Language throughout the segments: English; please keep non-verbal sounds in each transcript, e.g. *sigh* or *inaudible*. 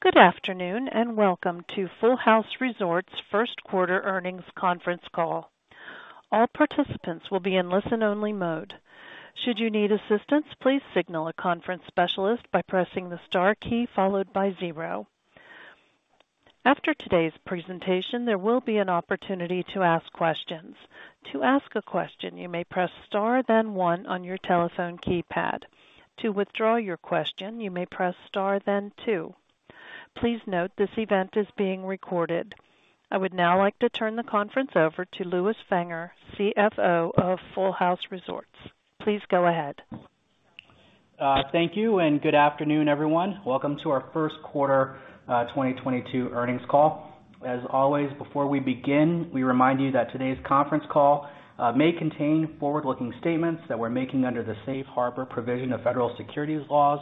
Good afternoon, and welcome to Full House Resorts first quarter earnings conference call. All participants will be in listen-only mode. Should you need assistance, please signal a conference specialist by pressing the star key followed by zero. After today's presentation, there will be an opportunity to ask questions. To ask a question, you may press star then one on your telephone keypad. To withdraw your question, you may press star then two. Please note this event is being recorded. I would now like to turn the conference over to Lewis Fanger, CFO of Full House Resorts. Please go ahead. Thank you, and good afternoon, everyone. Welcome to our first quarter 2022 earnings call. As always, before we begin, we remind you that today's conference call may contain forward-looking statements that we're making under the safe harbor provision of federal securities laws.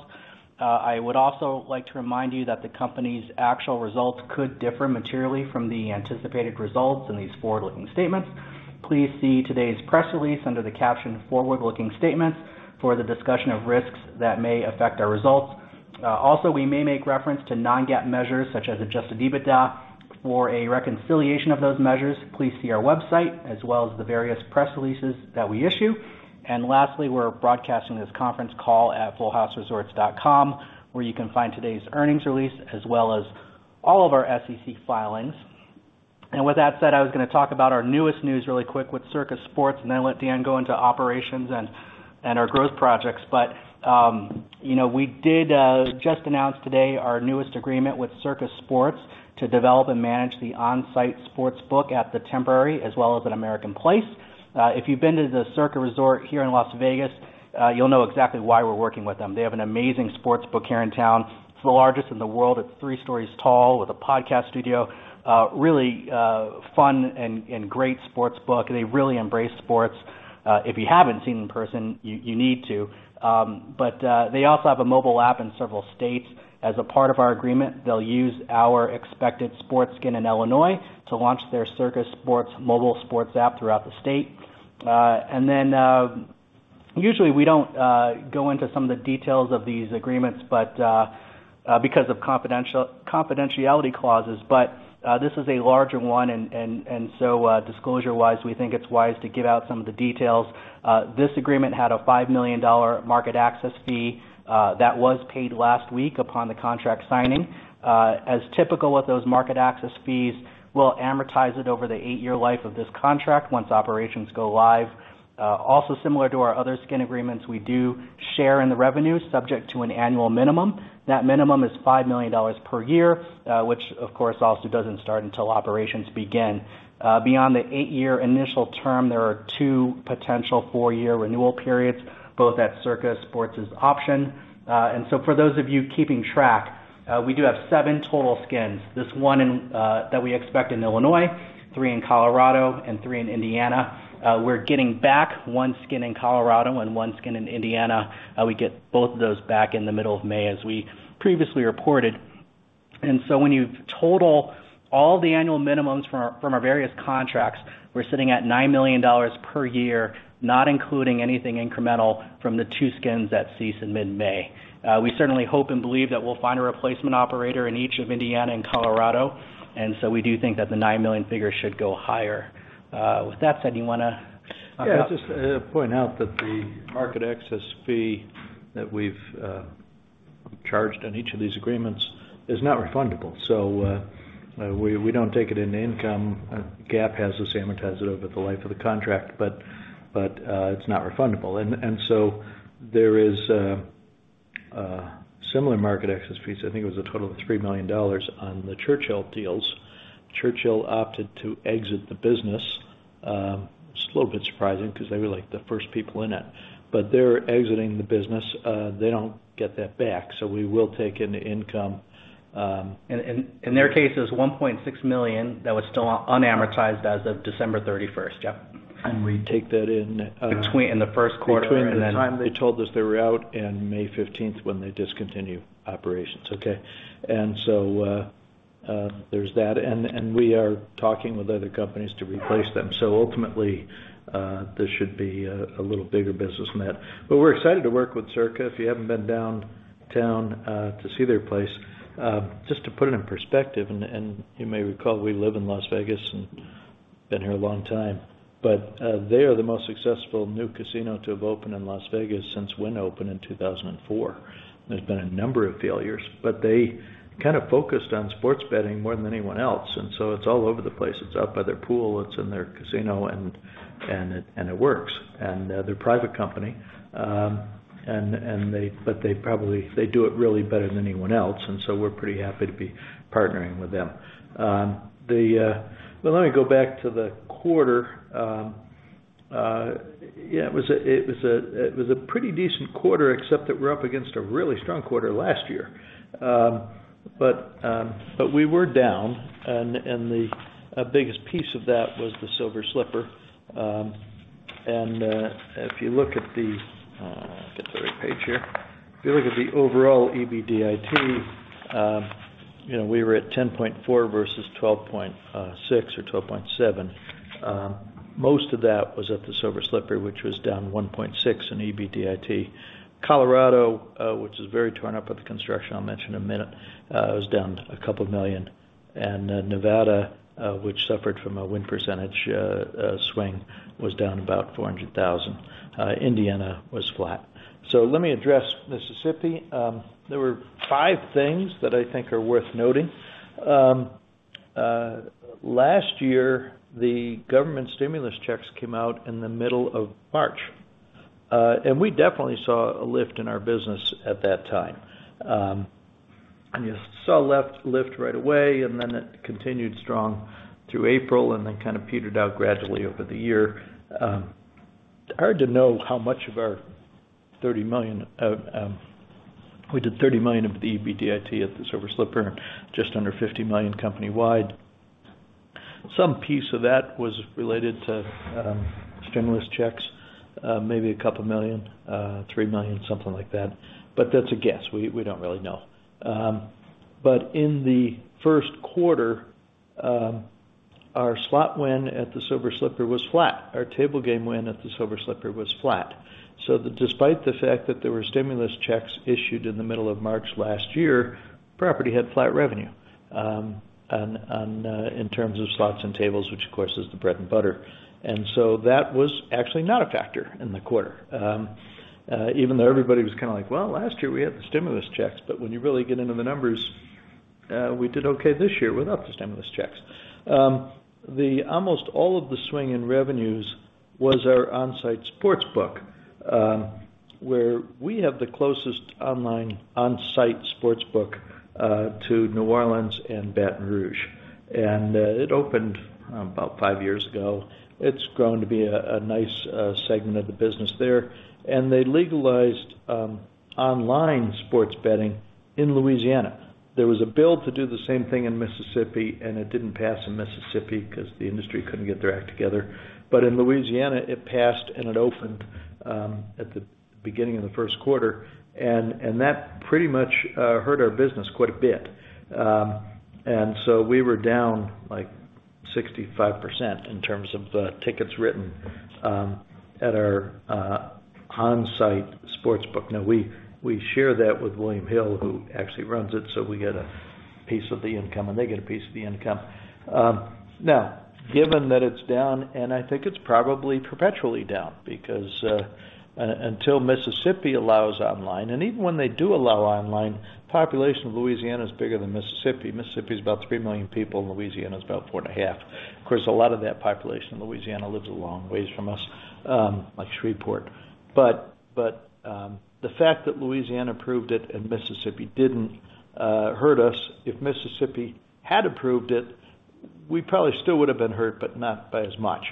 I would also like to remind you that the company's actual results could differ materially from the anticipated results in these forward-looking statements. Please see today's press release under the caption Forward-Looking Statements for the discussion of risks that may affect our results. Also, we may make reference to non-GAAP measures such as Adjusted EBITDA. For a reconciliation of those measures, please see our website as well as the various press releases that we issue. Lastly, we're broadcasting this conference call at fullhouseresorts.com, where you can find today's earnings release as well as all of our SEC filings. With that said, I was gonna talk about our newest news really quick with Circa Sports and then let Dan go into operations and our growth projects. We did just announce today our newest agreement with Circa Sports to develop and manage the on-site sports book at the Temporary as well as at American Place. If you've been to the Circa resort here in Las Vegas, you'll know exactly why we're working with them. They have an amazing sports book here in town. It's the largest in the world. It's three stories tall with a podcast studio. Really fun and great sports book. They really embrace sports. If you haven't seen it in person, you need to. They also have a mobile app in several states. As a part of our agreement, they'll use our expected sports skin in Illinois to launch their Circa Sports mobile sports app throughout the state. Usually, we don't go into some of the details of these agreements because of confidentiality clauses, but this is a larger one, so disclosure-wise, we think it's wise to give out some of the details. This agreement had a $5 million market access fee that was paid last week upon the contract signing. As is typical with those market access fees, we'll amortize it over the eight-year life of this contract once operations go live. Also similar to our other skin agreements, we do share in the revenue subject to an annual minimum. That minimum is $5 million per year, which, of course, also doesn't start until operations begin. Beyond the 8-year initial term, there are two potential 4-year renewal periods, both at Circa Sports' option. For those of you keeping track, we do have seven total skins. There's one that we expect in Illinois, three in Colorado, and three in Indiana. We're getting back one skin in Colorado and one skin in Indiana. We get both of those back in the middle of May as we previously reported. When you total all the annual minimums from our various contracts, we're sitting at $9 million per year, not including anything incremental from the two skins that cease in mid-May. We certainly hope and believe that we'll find a replacement operator in each of Indiana and Colorado. We do think that the $9 million figure should go higher. With that said, do you wanna- Yeah. Just point out that the market access fee that we've charged on each of these agreements is not refundable. We don't take it into income. GAAP has us amortize it over the life of the contract, but it's not refundable. There are similar market access fees. I think it was a total of $3 million on the Churchill deals. Churchill opted to exit the business. It's a little bit surprising 'cause they were like the first people in it. They're exiting the business. They don't get that back, so we will take into income. In their case, it was $1.6 million that was still unamortized as of December 31st. Yeah. We take that in. In the first quarter and then *crosstalk* Between the time they told us they were out and May 15 when they discontinue operations. Okay. There's that. We are talking with other companies to replace them. Ultimately, this should be a little bigger business than that. We're excited to work with Circa. If you haven't been downtown to see their place, just to put it in perspective, you may recall we live in Las Vegas and been here a long time, but they are the most successful new casino to have opened in Las Vegas since Wynn opened in 2004. There's been a number of failures. They kind of focused on sports betting more than anyone else, and so it's all over the place. It's out by their pool. It's in their casino, and it works. They're a private company. They do it really better than anyone else, and so we're pretty happy to be partnering with them. Well, let me go back to the quarter. It was a pretty decent quarter, except that we're up against a really strong quarter last year. We were down, and the biggest piece of that was the Silver Slipper. Get the right page here. If you look at the overall EBIT. You know, we were at $10.4 versus $12.6 or $12.7. Most of that was at the Silver Slipper, which was down $1.6 in EBITDA. Colorado, which is very torn up with the construction I'll mention in a minute, was down $2 million. Nevada, which suffered from a win percentage swing, was down about $400,000. Indiana was flat. Let me address Mississippi. There were five things that I think are worth noting. Last year, the government stimulus checks came out in the middle of March, and we definitely saw a lift in our business at that time. You saw lift right away, and then it continued strong through April and then kind of petered out gradually over the year. Hard to know how much of our $30 million, we did $30 million of EBITDA at the Silver Slipper, just under $50 million company-wide. Some piece of that was related to stimulus checks, maybe couple million, $3 million, something like that. But that's a guess. We don't really know. But in the first quarter, our slot win at the Silver Slipper was flat. Our table game win at the Silver Slipper was flat. So despite the fact that there were stimulus checks issued in the middle of March last year, property had flat revenue, in terms of slots and tables, which of course is the bread and butter. That was actually not a factor in the quarter. Even though everybody was kind of like, "Well, last year we had the stimulus checks," but when you really get into the numbers, we did okay this year without the stimulus checks. Almost all of the swing in revenues was our on-site sportsbook, where we have the closest online on-site sportsbook to New Orleans and Baton Rouge. It opened about five years ago. It's grown to be a nice segment of the business there. They legalized online sports betting in Louisiana. There was a bill to do the same thing in Mississippi, and it didn't pass in Mississippi 'cause the industry couldn't get their act together. In Louisiana, it passed, and it opened at the beginning of the first quarter. That pretty much hurt our business quite a bit. We were down like 65% in terms of the tickets written at our on-site sportsbook. Now, we share that with William Hill, who actually runs it, so we get a piece of the income, and they get a piece of the income. Now, given that it's down, and I think it's probably perpetually down because until Mississippi allows online, and even when they do allow online, population of Louisiana is bigger than Mississippi. Mississippi is about 3 million people, and Louisiana is about 4.5. Of course, a lot of that population in Louisiana lives a long ways from us, like Shreveport. The fact that Louisiana approved it and Mississippi didn't hurt us. If Mississippi had approved it, we probably still would have been hurt, but not by as much.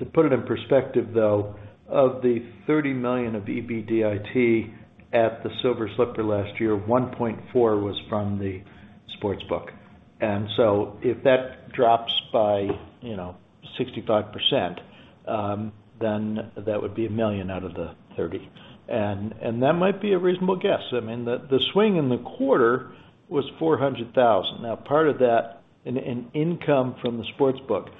To put it in perspective, though, of the $30 million of EBITDA at the Silver Slipper last year, $1.4 was from the sportsbook. If that drops by, you know, 65%, then that would be $1 million out of the $30. That might be a reasonable guess. I mean, the swing in the quarter was $400,000. Now, part of that in income from the sportsbook,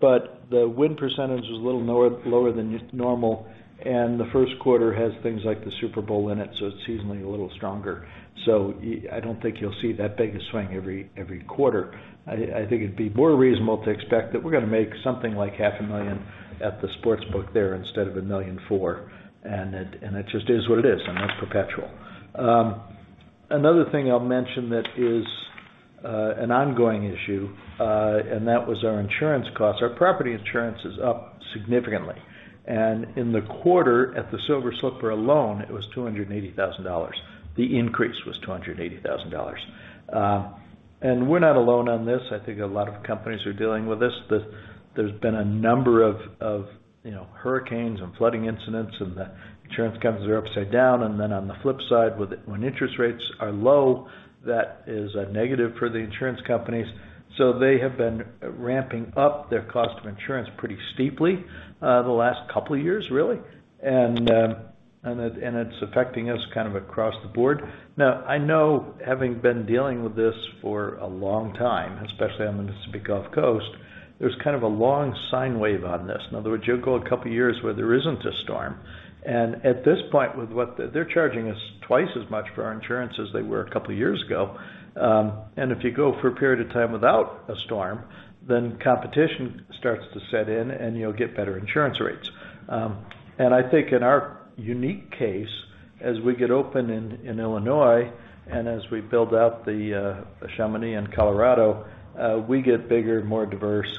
but the win percentage was a little lower than normal, and the first quarter has things like the Super Bowl in it, so it's seasonally a little stronger. I don't think you'll see that big a swing every quarter. I think it'd be more reasonable to expect that we're gonna make something like half a million at the sportsbook there instead of $1.4 million, and it just is what it is, and that's perpetual. Another thing I'll mention that is an ongoing issue, and that was our insurance costs. Our property insurance is up significantly. In the quarter at the Silver Slipper alone, it was $280,000. The increase was $280,000. We're not alone on this. I think a lot of companies are dealing with this. There's been a number of, you know, hurricanes and flooding incidents, and the insurance companies are upside down. Then on the flip side, when interest rates are low, that is a negative for the insurance companies. They have been ramping up their cost of insurance pretty steeply, the last couple of years, really. It's affecting us kind of across the board. Now, I know having been dealing with this for a long time, especially on the Mississippi Gulf Coast, there's kind of a long sine wave on this. In other words, you'll go a couple of years where there isn't a storm. At this point, with what they're charging us twice as much for our insurance as they were a couple of years ago, if you go for a period of time without a storm, then competition starts to set in, and you'll get better insurance rates. I think in our unique case, as we get open in Illinois and as we build out the Chamonix in Colorado, we get bigger, more diverse,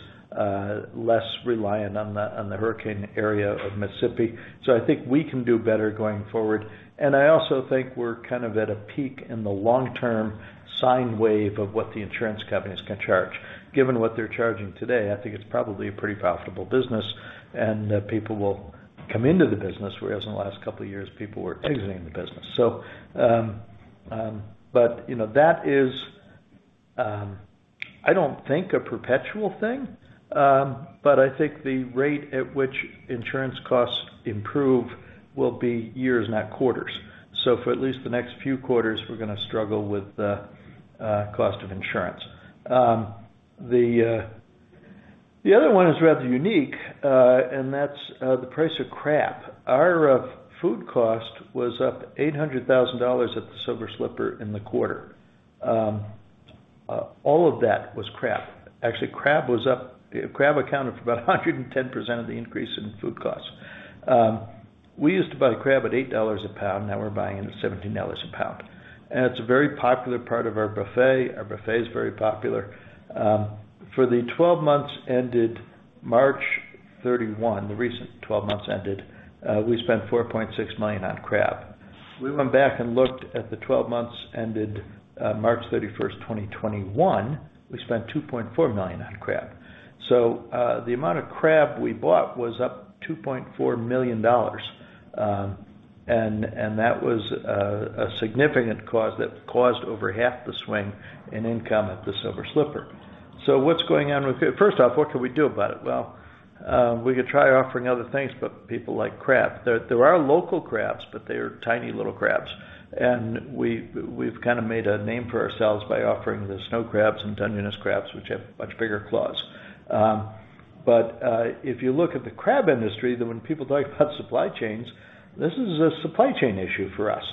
less reliant on the hurricane area of Mississippi. I think we can do better going forward. I also think we're kind of at a peak in the long-term sine wave of what the insurance companies can charge. Given what they're charging today, I think it's probably a pretty profitable business, and people will come into the business, whereas in the last couple of years, people were exiting the business. You know, I don't think a perpetual thing, but I think the rate at which insurance costs improve will be years, not quarters. For at least the next few quarters, we're gonna struggle with the cost of insurance. The other one is rather unique, and that's the price of crab. Our food cost was up $800,000 at the Silver Slipper in the quarter. All of that was crab. Actually, crab accounted for about 110% of the increase in food costs. We used to buy the crab at $8 a pound, now we're buying it at $17 a pound. It's a very popular part of our buffet. Our buffet is very popular. For the twelve months ended March 31, the recent twelve months ended, we spent $4.6 million on crab. We went back and looked at the 12 months ended March 31st, 2021, we spent $2.4 million on crab. The amount of crab we bought was up $2.4 million, and that was a significant cause that caused over half the swing in income at the Silver Slipper. What's going on? First off, what could we do about it? Well, we could try offering other things, but people like crab. There are local crabs, but they are tiny little crabs. We've kinda made a name for ourselves by offering the snow crabs and Dungeness crabs, which have much bigger claws. But if you look at the crab industry, then when people talk about supply chains, this is a supply chain issue for us.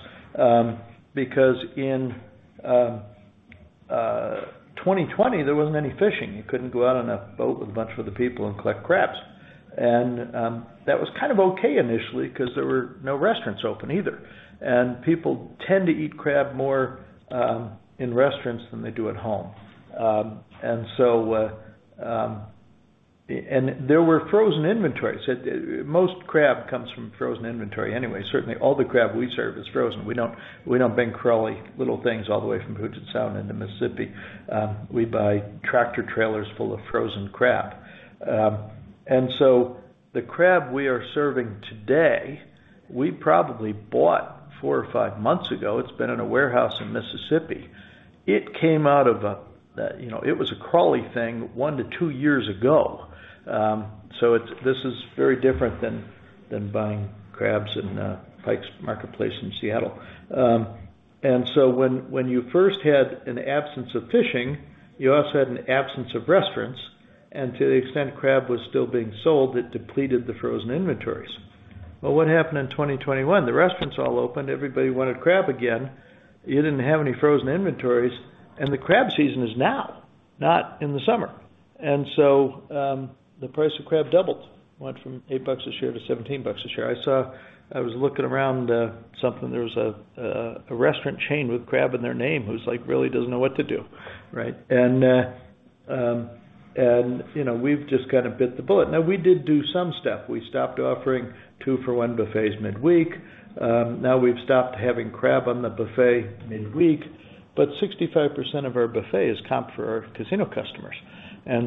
Because in 2020, there wasn't any fishing. You couldn't go out on a boat with a bunch of other people and collect crabs. That was kind of okay initially 'cause there were no restaurants open either. People tend to eat crab more in restaurants than they do at home. There were frozen inventories. Most crab comes from frozen inventory anyway. Certainly, all the crab we serve is frozen. We don't bring crawly little things all the way from Puget Sound into Mississippi. We buy tractor trailers full of frozen crab. The crab we are serving today, we probably bought four or five months ago. It's been in a warehouse in Mississippi. It came out of a, you know. It was a crawly thing 1-2 years ago. This is very different than buying crabs in Pike Place Market in Seattle. When you first had an absence of fishing, you also had an absence of restaurants, and to the extent crab was still being sold, it depleted the frozen inventories. Well, what happened in 2021? The restaurants all opened, everybody wanted crab again. You didn't have any frozen inventories, and the crab season is now not in the summer. The price of crab doubled. Went from $8 a share to $17 a share. I was looking around, something, there was a restaurant chain with crab in their name who really doesn't know what to do, right? You know, we've just gotta bit the bullet. Now, we did do some stuff. We stopped offering two-for-one buffets midweek. Now we've stopped having crab on the buffet midweek, but 65% of our buffet is comped for our casino customers.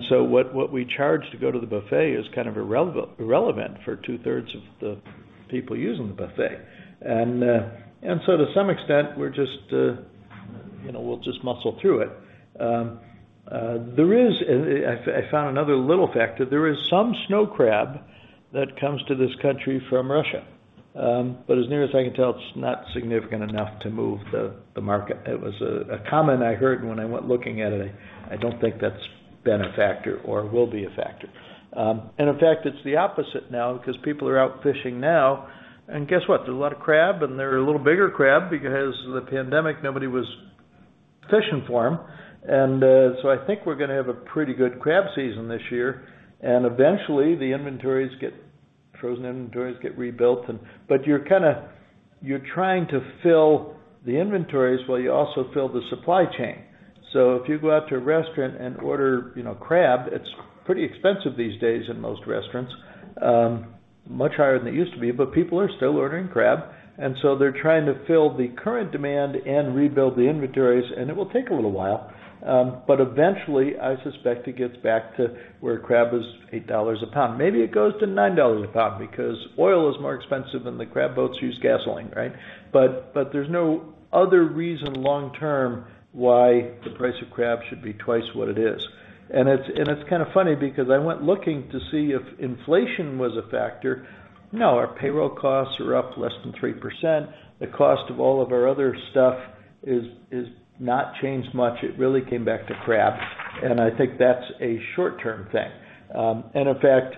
What we charge to go to the buffet is kind of irrelevant for two-thirds of the people using the buffet. To some extent, we're just, you know, we'll just muscle through it. I found another little factor. There is some snow crab that comes to this country from Russia. But as near as I can tell, it's not significant enough to move the market. It was a comment I heard when I went looking at it. I don't think that's been a factor or will be a factor. In fact, it's the opposite now because people are out fishing now. Guess what? There's a lot of crab, and they're a little bigger crab because of the pandemic, nobody was fishing for them. I think we're gonna have a pretty good crab season this year. Eventually, the inventories get frozen inventories get rebuilt. You're trying to fill the inventories while you also fill the supply chain. If you go out to a restaurant and order, you know, crab, it's pretty expensive these days in most restaurants, much higher than it used to be, but people are still ordering crab. They're trying to fill the current demand and rebuild the inventories, and it will take a little while. Eventually, I suspect it gets back to where crab is $8 a pound. Maybe it goes to $9 a pound because oil is more expensive and the crab boats use gasoline, right? There's no other reason long term why the price of crab should be twice what it is. It's kinda funny because I went looking to see if inflation was a factor. No, our payroll costs are up less than 3%. The cost of all of our other stuff is not changed much. It really came back to crab, and I think that's a short-term thing. In fact,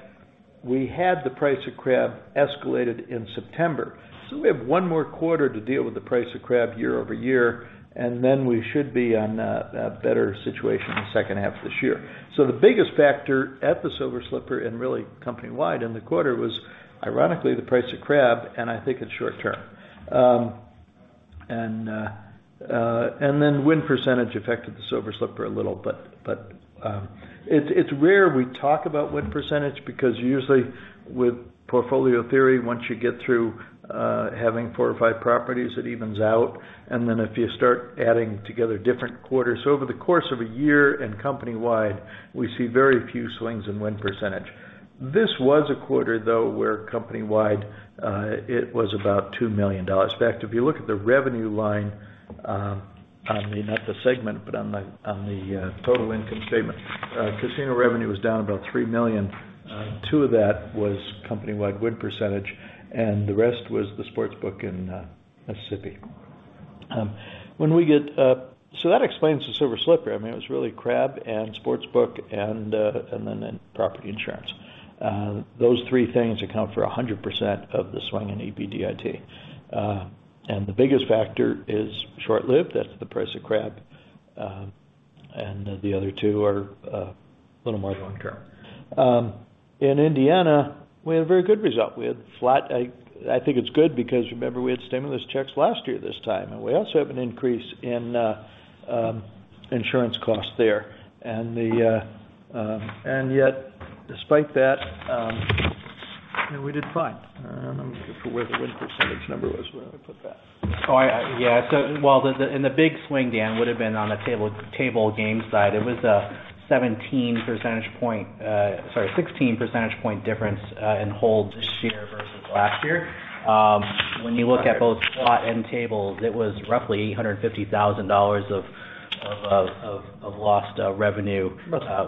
we had the price of crab escalated in September. We have one more quarter to deal with the price of crab year-over-year, and then we should be on a better situation in the second half of this year. The biggest factor at the Silver Slipper and really company-wide in the quarter was ironically the price of crab, and I think it's short term. Win percentage affected the Silver Slipper a little. It's rare we talk about win percentage because usually with portfolio theory, once you get through having four or five properties, it evens out. If you start adding together different quarters. Over the course of a year and company-wide, we see very few swings in win percentage. This was a quarter, though, where company-wide, it was about $2 million. In fact, if you look at the revenue line, on the, not the segment, but on the total income statement, casino revenue was down about $3 million. Two of that was company-wide win percentage, and the rest was the sportsbook in Mississippi. That explains the Silver Slipper. I mean, it was really crab and sportsbook and then property insurance. Those three things account for 100% of the swing in EBITDA. The biggest factor is short-lived. That's the price of crab, and the other two are a little more long-term. In Indiana, we had a very good result. I think it's good because remember we had stimulus checks last year this time, and we also have an increase in insurance costs there. Yet despite that, you know, we did fine. I'm looking for where the win percentage number was, where I put that. While the big swing, Dan, would've been on the table game side, it was a 16 percentage point difference in hold this year versus last year. When you look at both slots and tables, it was roughly $850,000 of lost revenue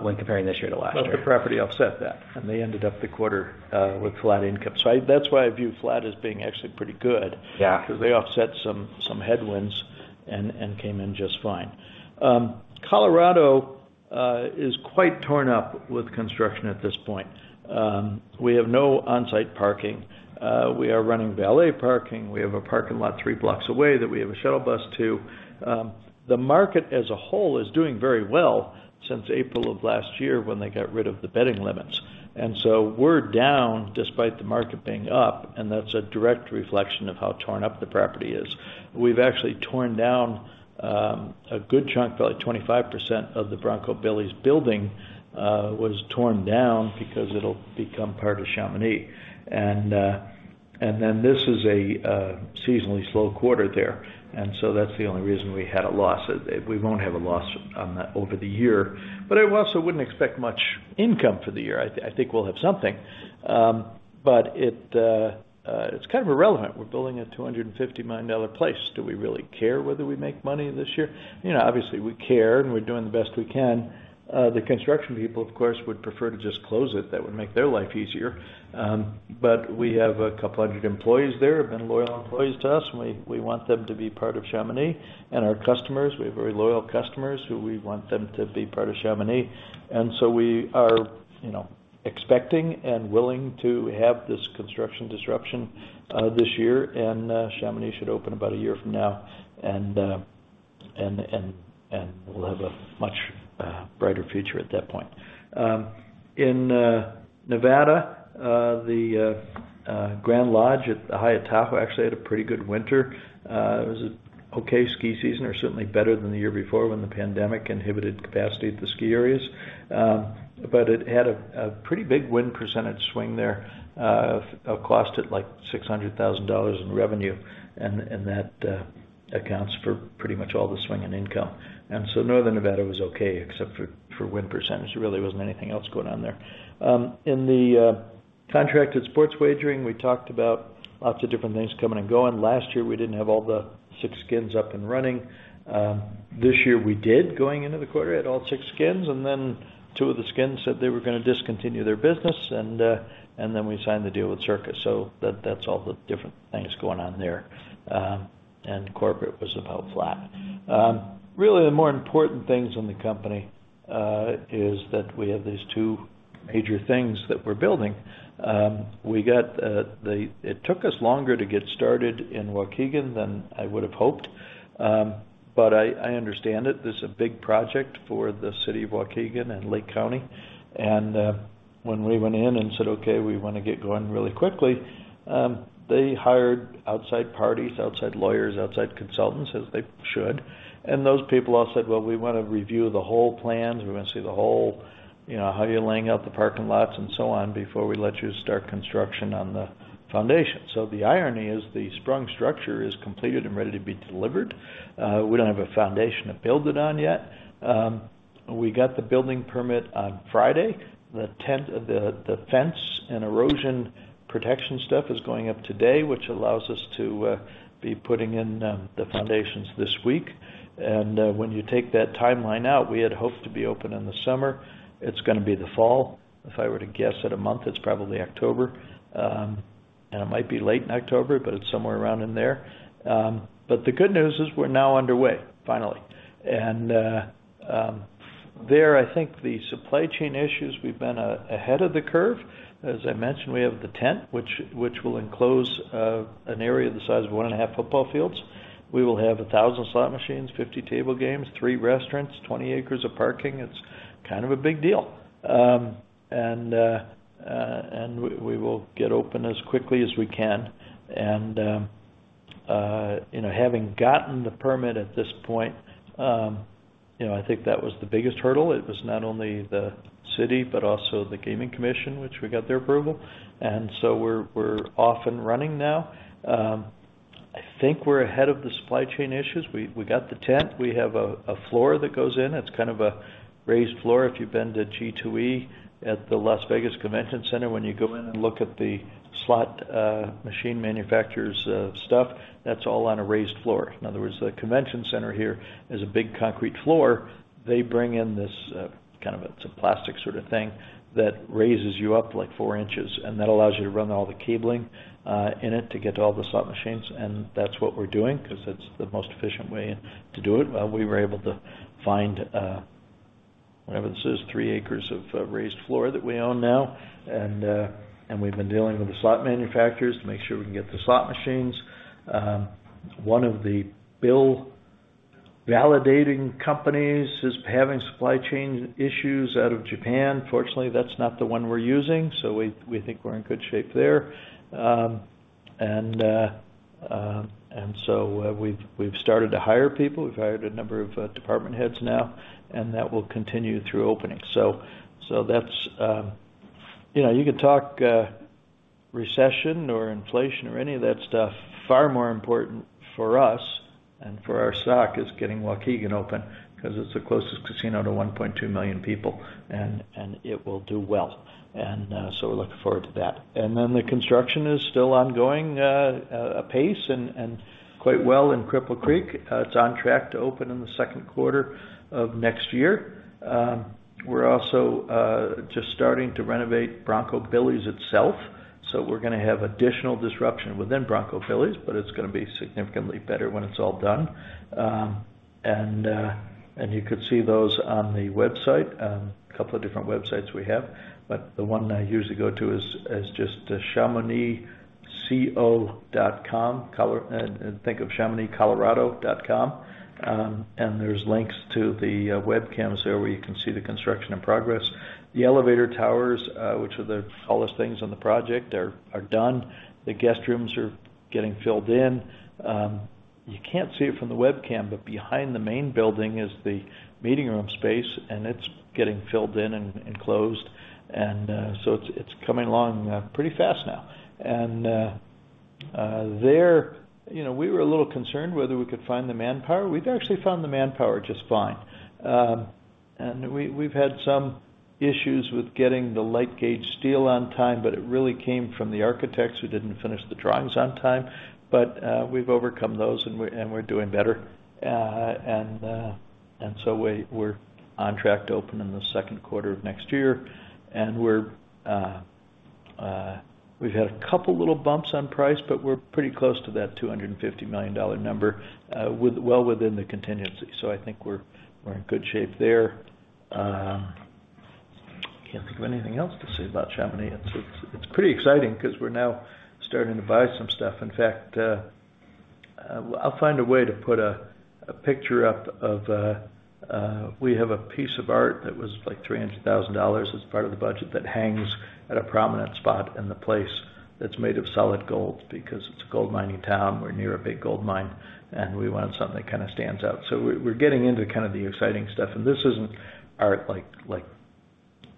when comparing this year to last year. The property offset that, and they ended up the quarter with flat income. That's why I view flat as being actually pretty good. Yeah. Cause they offset some headwinds and came in just fine. Colorado is quite torn up with construction at this point. We have no on-site parking. We are running valet parking. We have a parking lot three blocks away that we have a shuttle bus to. The market as a whole is doing very well since April of last year when they got rid of the betting limits. We're down despite the market being up, and that's a direct reflection of how torn up the property is. We've actually torn down a good chunk, about 25% of the Bronco Billy's building was torn down because it'll become part of Chamonix. This is a seasonally slow quarter there, and that's the only reason we had a loss. We won't have a loss on that over the year, but I also wouldn't expect much income for the year. I think we'll have something, but it's kind of irrelevant. We're building a $250 million place. Do we really care whether we make money this year? You know, obviously we care, and we're doing the best we can. The construction people, of course, would prefer to just close it. That would make their life easier. We have a couple hundred employees there have been loyal employees to us, and we want them to be part of Chamonix. Our customers, we have very loyal customers who we want them to be part of Chamonix. We are, you know, expecting and willing to have this construction disruption this year. Chamonix should open about a year from now, and we'll have a much brighter future at that point. In Nevada, the Grand Lodge at the Hyatt Tahoe actually had a pretty good winter. It was an okay ski season, or certainly better than the year before when the pandemic inhibited capacity at the ski areas. But it had a pretty big win percentage swing there, which cost us like $600,000 in revenue. That accounts for pretty much all the swing in income. Northern Nevada was okay except for win percentage. There really wasn't anything else going on there. In the contracted sports wagering, we talked about lots of different things coming and going. Last year, we didn't have all the six skins up and running. This year we did going into the quarter, had all six skins, and then two of the skins said they were gonna discontinue their business, and then we signed the deal with Circa. That, that's all the different things going on there. Corporate was about flat. Really the more important things in the company is that we have these two major things that we're building. It took us longer to get started in Waukegan than I would've hoped. I understand it. This is a big project for the city of Waukegan and Lake County. When we went in and said, "Okay, we want to get going really quickly," they hired outside parties, outside lawyers, outside consultants, as they should, and those people all said, "Well, we wanna review the whole plans. We wanna see the whole, you know, how you're laying out the parking lots and so on before we let you start construction on the foundation." The irony is the sprung structure is completed and ready to be delivered. We don't have a foundation to build it on yet. We got the building permit on Friday. The tent, the fence and erosion protection stuff is going up today, which allows us to be putting in the foundations this week. When you take that timeline out, we had hoped to be open in the summer. It's gonna be the fall. If I were to guess at a month, it's probably October. It might be late in October, but it's somewhere around in there. The good news is we're now underway finally. I think the supply chain issues, we've been ahead of the curve. As I mentioned, we have the tent, which will enclose an area the size of one and a half football fields. We will have 1,000 slot machines, 50 table games, three restaurants, 20ac of parking. It's kind of a big deal. We will get open as quickly as we can. Having gotten the permit at this point, I think that was the biggest hurdle. It was not only the city, but also the Gaming Commission, which we got their approval. We're off and running now. I think we're ahead of the supply chain issues. We got the tent. We have a floor that goes in. It's kind of a raised floor. If you've been to G2E at the Las Vegas Convention Center, when you go in and look at the slot machine manufacturer's stuff, that's all on a raised floor. In other words, the convention center here is a big concrete floor. They bring in this kind of it's a plastic sort of thing that raises you up like four inches, and that allows you to run all the cabling in it to get to all the slot machines. That's what we're doing 'cause it's the most efficient way to do it. We were able to find, whatever this is, 3ac of raised floor that we own now. We've been dealing with the slot manufacturers to make sure we can get the slot machines. One of the bill validating companies is having supply chain issues out of Japan. Fortunately, that's not the one we're using, so we think we're in good shape there. We've started to hire people. We've hired a number of department heads now, and that will continue through opening. That's you know, you could talk recession or inflation or any of that stuff. Far more important for us and for our stock is getting Waukegan open 'cause it's the closest casino to 1.2 million people, and it will do well. We're looking forward to that. The construction is still ongoing apace and quite well in Cripple Creek. It's on track to open in the second quarter of next year. We're also just starting to renovate Bronco Billy's itself, so we're gonna have additional disruption within Bronco Billy's, but it's gonna be significantly better when it's all done. You could see those on the website, a couple of different websites we have. The one I usually go to is just ChamonixCO.com. Think of ChamonixCO.com. There's links to the webcams there where you can see the construction in progress. The elevator towers, which are the tallest things on the project, are done. The guest rooms are getting filled in. You can't see it from the webcam, but behind the main building is the meeting room space, and it's getting filled in and closed. It's coming along pretty fast now. There, you know, we were a little concerned whether we could find the manpower. We've actually found the manpower just fine. We've had some issues with getting the light gauge steel on time, but it really came from the architects who didn't finish the drawings on time. We've overcome those, and we're doing better. We're on track to open in the second quarter of next year. We've had a couple little bumps on price, but we're pretty close to that $250 million number, well within the contingency. I think we're in good shape there. I can't think of anything else to say about Chamonix. It's pretty exciting 'cause we're now starting to buy some stuff. In fact, I'll find a way to put a picture up of. We have a piece of art that was, like, $300,000 as part of the budget that hangs at a prominent spot in the place that's made of solid gold because it's a gold mining town, we're near a big gold mine, and we wanted something that kinda stands out. We're getting into kind of the exciting stuff. This isn't art like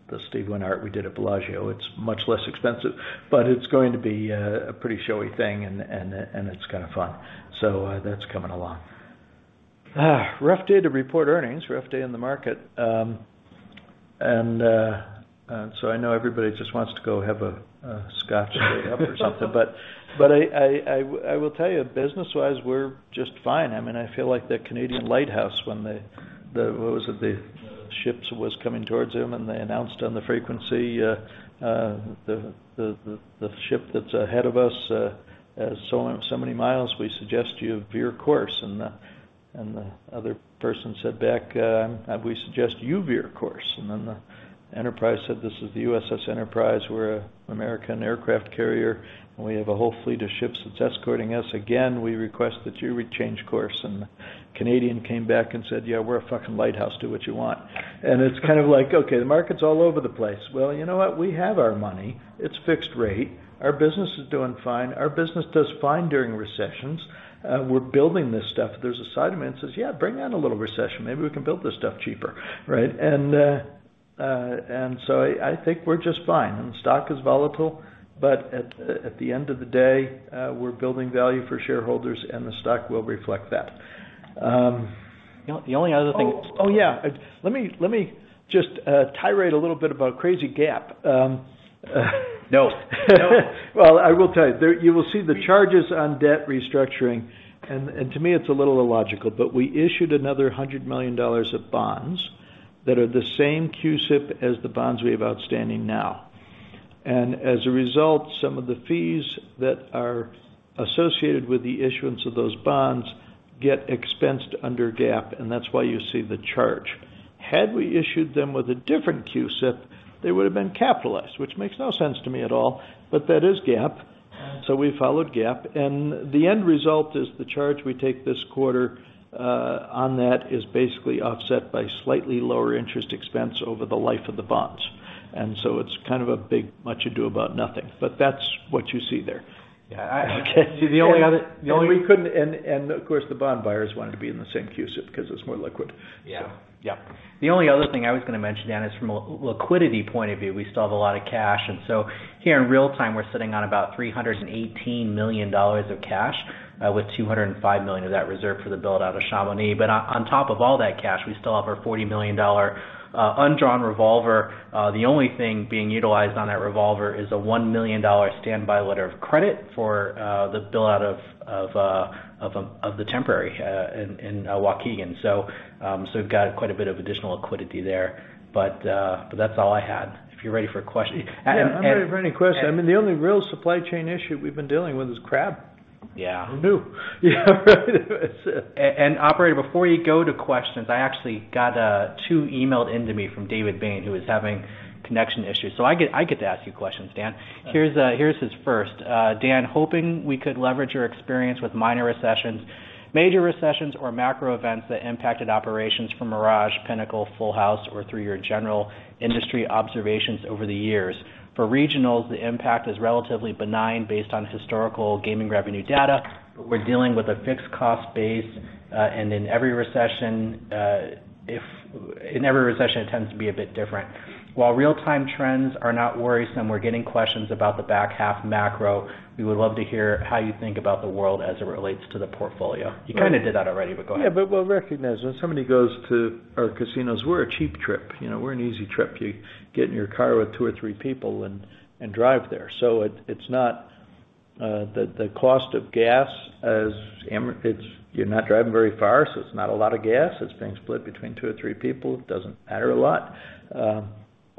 the Steve Wynn art we did at Bellagio. It's much less expensive, but it's going to be a pretty showy thing, and it's kinda fun. That's coming along. Rough day to report earnings, rough day in the market. I know everybody just wants to go have a scotch to wake up or something. I will tell you, business-wise, we're just fine. I mean, I feel like the Canadian lighthouse when the ships was coming towards them, what was it? They announced on the frequency, "The ship that's ahead of us, so many miles, we suggest you veer course." The other person said back, "We suggest you veer course." The Enterprise said, "This is the USS Enterprise. We're an American aircraft carrier, and we have a whole fleet of ships that's escorting us. Again, we request that you re-change course." The Canadian came back and said, "Yeah, we're a fucking lighthouse. Do what you want." It's kind of like, okay, the market's all over the place. Well, you know what? We have our money. It's fixed rate. Our business is doing fine. Our business does fine during recessions. We're building this stuff. There's a side of me that says, "Yeah, bring on a little recession. Maybe we can build this stuff cheaper." Right? I think we're just fine. The stock is volatile, but at the end of the day, we're building value for shareholders, and the stock will reflect that. You know, the only other thing. Oh, yeah. Let me just tirade a little bit about crazy GAAP. No. No. Well, I will tell you. You will see the charges on debt restructuring, and to me, it's a little illogical, but we issued another $100 million of bonds that are the same CUSIP as the bonds we have outstanding now. As a result, some of the fees that are associated with the issuance of those bonds get expensed under GAAP, and that's why you see the charge. Had we issued them with a different CUSIP, they would have been capitalized, which makes no sense to me at all, but that is GAAP. Yeah. We followed GAAP. The end result is the charge we take this quarter on that is basically offset by slightly lower interest expense over the life of the bonds. It's kind of a big much ado about nothing. That's what you see there. Yeah. Okay The only other. Of course, the bond buyers wanted to be in the same CUSIP 'cause it's more liquid. Yeah. So. The only other thing I was gonna mention, Dan, is from a liquidity point of view, we still have a lot of cash. Here in real time, we're sitting on about $318 million of cash, with $205 million of that reserved for the build-out of Chamonix. On top of all that cash, we still have our $40 million undrawn revolver. The only thing being utilized on that revolver is a $1 million standby letter of credit for the build-out of the temporary in Waukegan. We've got quite a bit of additional liquidity there. That's all I had. If you're ready for a question. Yeah, I'm ready for any question. I mean, the only real supply chain issue we've been dealing with is crab. Yeah. Who knew? Yeah, right. Operator, before you go to questions, I actually got two emailed in to me from David Bain, who is having connection issues. I get to ask you questions, Dan. Okay. Here's his first. "Dan, hoping we could leverage your experience with minor recessions, major recessions, or macro events that impacted operations from Mirage, Pinnacle, Full House, or through your general industry observations over the years. For regionals, the impact is relatively benign based on historical gaming revenue data. We're dealing with a fixed cost base, and in every recession, it tends to be a bit different. While real-time trends are not worrisome, we're getting questions about the back half macro. We would love to hear how you think about the world as it relates to the portfolio. Well- You kinda did that already, but go ahead. Yeah, well recognized. When somebody goes to our casinos, we're a cheap trip. You know, we're an easy trip. You get in your car with two or three people and drive there. So it's not the cost of gas. You're not driving very far, so it's not a lot of gas. It's being split between two or three people. It doesn't matter a lot.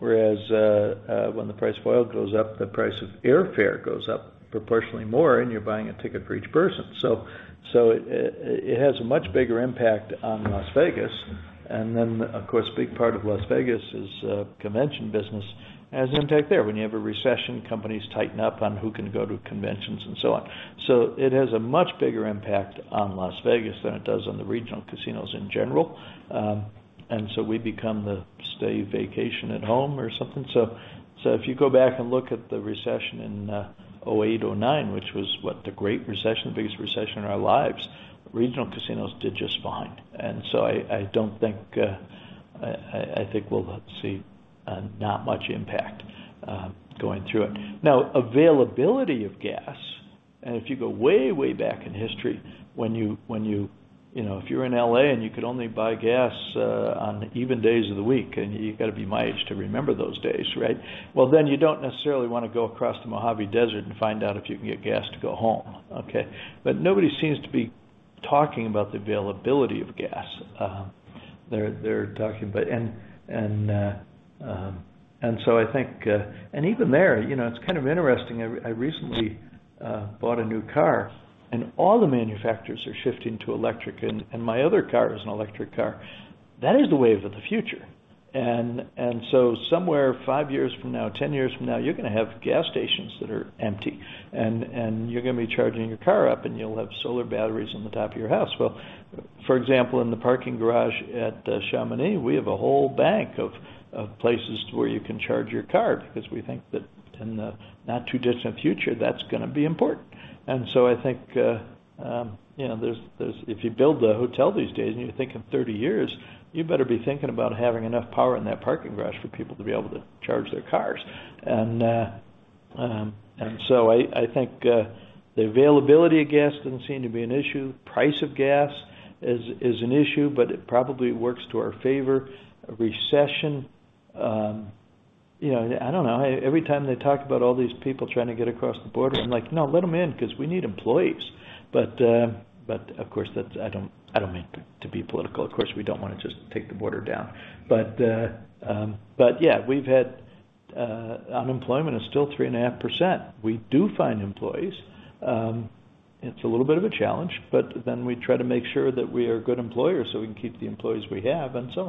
Whereas when the price of oil goes up, the price of airfare goes up proportionally more, and you're buying a ticket for each person. It has a much bigger impact on Las Vegas. Then, of course, a big part of Las Vegas is convention business. It has an impact there. When you have a recession, companies tighten up on who can go to conventions, and so on. It has a much bigger impact on Las Vegas than it does on the regional casinos in general. We become the staycation at home or something. If you go back and look at the recession in 2008, 2009, which was, what, the Great Recession, the biggest recession in our lives, regional casinos did just fine. I think we'll see not much impact going through it. Now, availability of gas, and if you go way back in history, you know, if you're in L.A., and you could only buy gas on even days of the week, and you've gotta be my age to remember those days, right? Well, you don't necessarily wanna go across the Mojave Desert and find out if you can get gas to go home, okay? Nobody seems to be talking about the availability of gas. Even there, you know, it's kind of interesting. I recently bought a new car, and all the manufacturers are shifting to electric, and my other car is an electric car. That is the wave of the future. Somewhere five years from now, 10 years from now, you're gonna have gas stations that are empty. You're gonna be charging your car up, and you'll have solar batteries on the top of your house. Well, for example, in the parking garage at Chamonix, we have a whole bank of places where you can charge your car because we think that in the not too distant future, that's gonna be important. I think, you know, if you build a hotel these days and you think in 30 years, you better be thinking about having enough power in that parking garage for people to be able to charge their cars. I think the availability of gas doesn't seem to be an issue. Price of gas is an issue, but it probably works to our favor. A recession, you know, I don't know. Every time they talk about all these people trying to get across the border, I'm like, "No, let them in because we need employees." But of course, I don't mean to be political. Of course, we don't wanna just take the border down. But yeah, unemployment is still 3.5%. We do find employees. It's a little bit of a challenge, but then we try to make sure that we are good employers, so we can keep the employees we have and so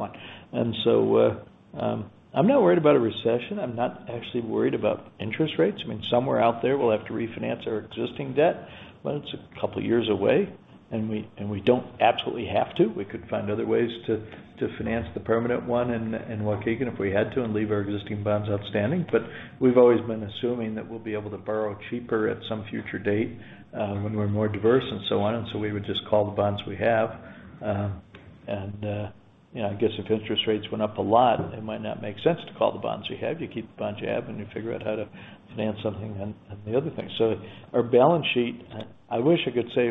on. I'm not worried about a recession. I'm not actually worried about interest rates. I mean, somewhere out there, we'll have to refinance our existing debt, but it's a couple of years away, and we don't absolutely have to. We could find other ways to finance the permanent one in Waukegan if we had to, and leave our existing bonds outstanding. We've always been assuming that we'll be able to borrow cheaper at some future date when we're more diverse and so on. We would just call the bonds we have. You know, I guess if interest rates went up a lot, it might not make sense to call the bonds we have. You keep the bonds you have, and you figure out how to finance something and the other thing. Our balance sheet, I wish I could say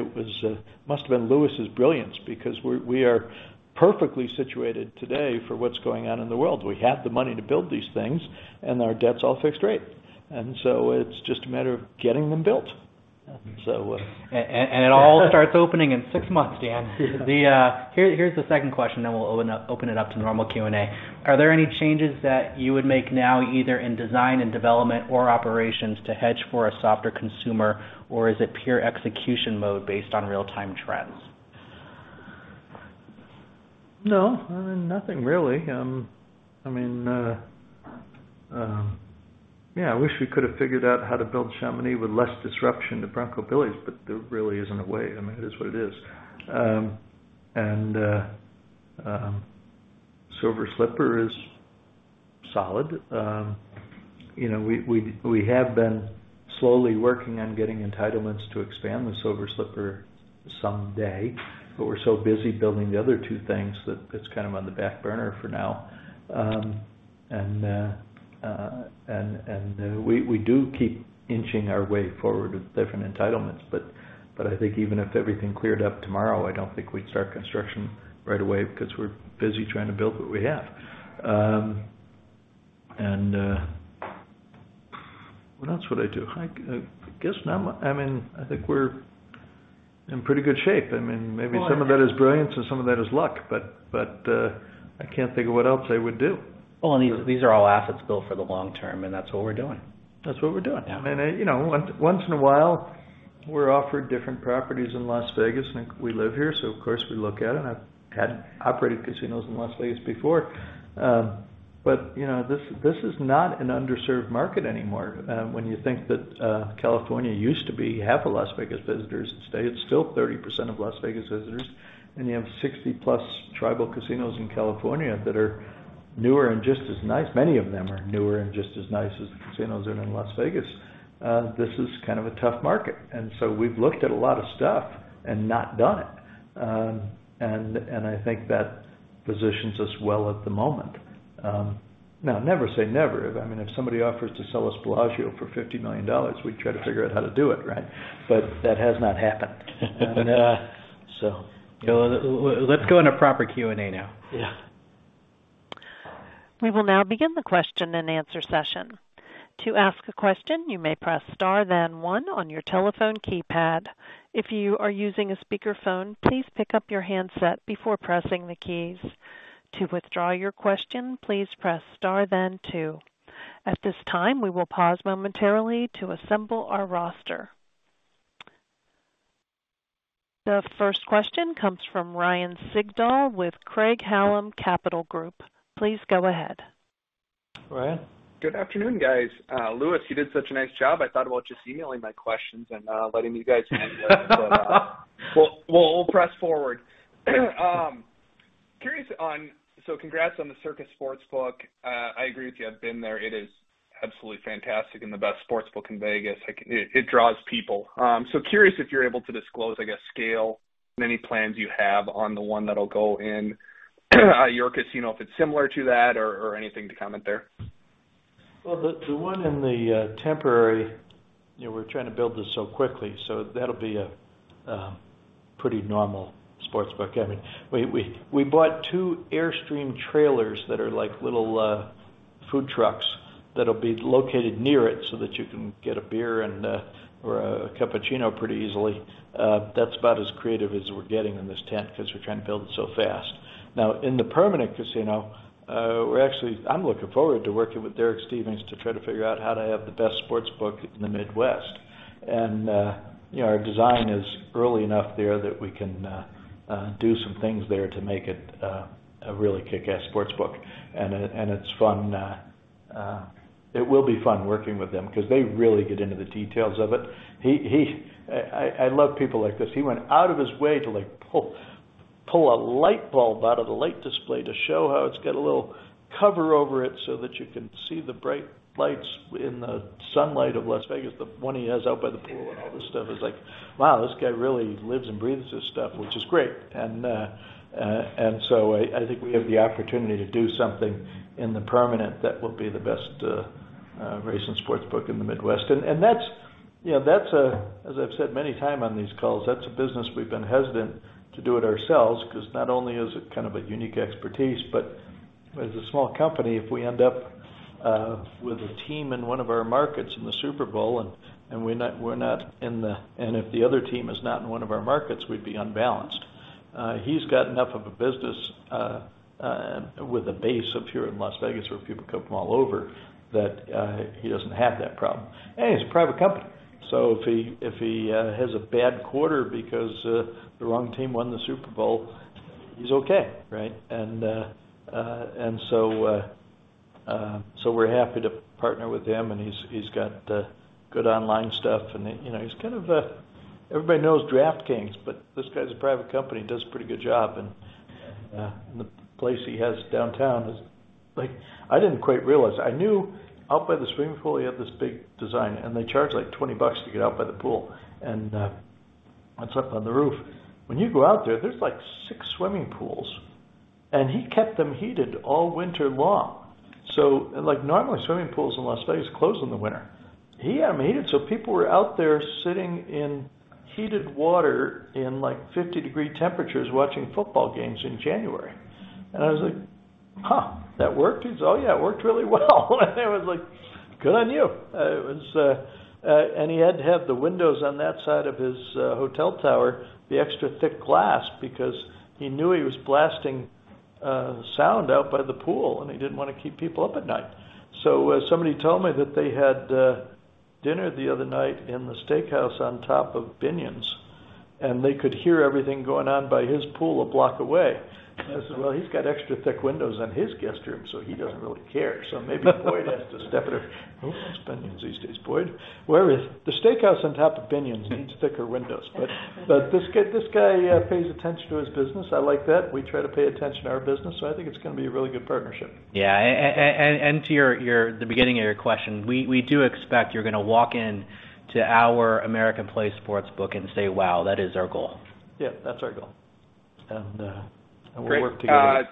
must have been Lewis' brilliance because we are perfectly situated today for what's going on in the world. We have the money to build these things, and our debt's all fixed rate. It's just a matter of getting them built. It all starts opening in six months, Dan. Yeah. Here's the second question, then we'll open it up to normal Q&A. Are there any changes that you would make now, either in design and development or operations to hedge for a softer consumer, or is it pure execution mode based on real-time trends? No, nothing really. I mean, yeah, I wish we could have figured out how to build Chamonix with less disruption to Bronco Billy's, but there really isn't a way. I mean, it is what it is. Silver Slipper is solid. You know, we have been slowly working on getting entitlements to expand the Silver Slipper someday, but we're so busy building the other two things that it's kind of on the back burner for now. We do keep inching our way forward with different entitlements, but I think even if everything cleared up tomorrow, I don't think we'd start construction right away because we're busy trying to build what we have. Well, that's what I do. I guess now I'm in pretty good shape. I mean, I think we're in pretty good shape. Maybe some of that is brilliance or some of that is luck, but I can't think of what else I would do. Well, these are all assets built for the long term, and that's what we're doing. That's what we're doing. Yeah. You know, once in a while we're offered different properties in Las Vegas, and we live here, so of course, we look at it. I've had operated casinos in Las Vegas before. But, you know, this is not an underserved market anymore. When you think that California used to be half of Las Vegas visitors, today it's still 30% of Las Vegas visitors. You have 60+ tribal casinos in California that are newer and just as nice. Many of them are newer and just as nice as the casinos are in Las Vegas. This is kind of a tough market, and so we've looked at a lot of stuff and not done it. I think that positions us well at the moment. Now never say never. I mean, if somebody offers to sell us Bellagio for $50 million, we'd try to figure out how to do it, right? That has not happened. Let's go into proper Q&A now. Yeah. We will now begin the question-and-answer session. To ask a question, you may press star then one on your telephone keypad. If you are using a speakerphone, please pick up your handset before pressing the keys. To withdraw your question, please press star then two. At this time, we will pause momentarily to assemble our roster. The first question comes from Ryan Sigdahl with Craig-Hallum Capital Group. Please go ahead. Ryan. Good afternoon, guys. Lewis, you did such a nice job, I thought about just emailing my questions and letting you guys handle it. We'll press forward. Congrats on the Circa sportsbook. I agree with you. I've been there. It is absolutely fantastic and the best sportsbook in Vegas. Like, it draws people. Curious if you're able to disclose, I guess, scale, and any plans you have on the one that'll go in your casino, if it's similar to that or anything to comment there. The one in the temporary, you know, we're trying to build this so quickly, so that'll be a pretty normal sports book. I mean, we bought two Airstream trailers that are like little food trucks that'll be located near it so that you can get a beer and or a cappuccino pretty easily. That's about as creative as we're getting in this tent 'cause we're trying to build it so fast. Now, in the permanent casino, I'm looking forward to working with Derek Stevens to try to figure out how to have the best sports book in the Midwest. You know, our design is early enough there that we can do some things there to make it a really kickass sports book. It's fun. It will be fun working with them because they really get into the details of it. I love people like this. He went out of his way to, like, pull a light bulb out of the light display to show how it's got a little cover over it so that you can see the bright lights in the sunlight of Las Vegas, the one he has out by the pool and all this stuff. It's like, wow, this guy really lives and breathes this stuff, which is great. I think we have the opportunity to do something in the permanent that will be the best race and sports book in the Midwest. That's, you know, that's a, as I've said many times on these calls, that's a business we've been hesitant to do it ourselves, 'cause not only is it kind of a unique expertise, but as a small company, if we end up with a team in one of our markets in the Super Bowl, and if the other team is not in one of our markets, we'd be unbalanced. He's got enough of a business with a base up here in Las Vegas where people come from all over, that he doesn't have that problem. He's a private company, so if he has a bad quarter because the wrong team won the Super Bowl, he's okay, right? We're happy to partner with him, and he's got good online stuff. You know, he's kind of a. Everybody knows DraftKings, but this guy's a private company, does a pretty good job. The place he has downtown is like. I didn't quite realize. I knew out by the swimming pool he had this big design, and they charge, like, $20 to get out by the pool. It's up on the roof. When you go out there's like six swimming pools, and he kept them heated all winter long. Like, normally, swimming pools in Las Vegas close in the winter. He had them heated, so people were out there sitting in heated water in, like, 50-degree temperatures watching football games in January. I was like, "Huh, that worked?" He goes, "Oh yeah, it worked really well." I was like, "Good on you." He had to have the windows on that side of his hotel tower the extra thick glass because he knew he was blasting sound out by the pool, and he didn't wanna keep people up at night. Somebody told me that they had dinner the other night in the steakhouse on top of Binion's, and they could hear everything going on by his pool a block away. I said, "Well, he's got extra thick windows in his guest room, so he doesn't really care." Maybe Boyd has to step it up. Who owns Binion's these days? Boyd. Whereas the steakhouse on top of Binion's needs thicker windows. This guy pays attention to his business. I like that. We try to pay attention to our business, so I think it's gonna be a really good partnership. To the beginning of your question, we do expect you're gonna walk in to our American Place sports book and say, "Wow." That is our goal. Yeah, that's our goal. Great. We'll work together.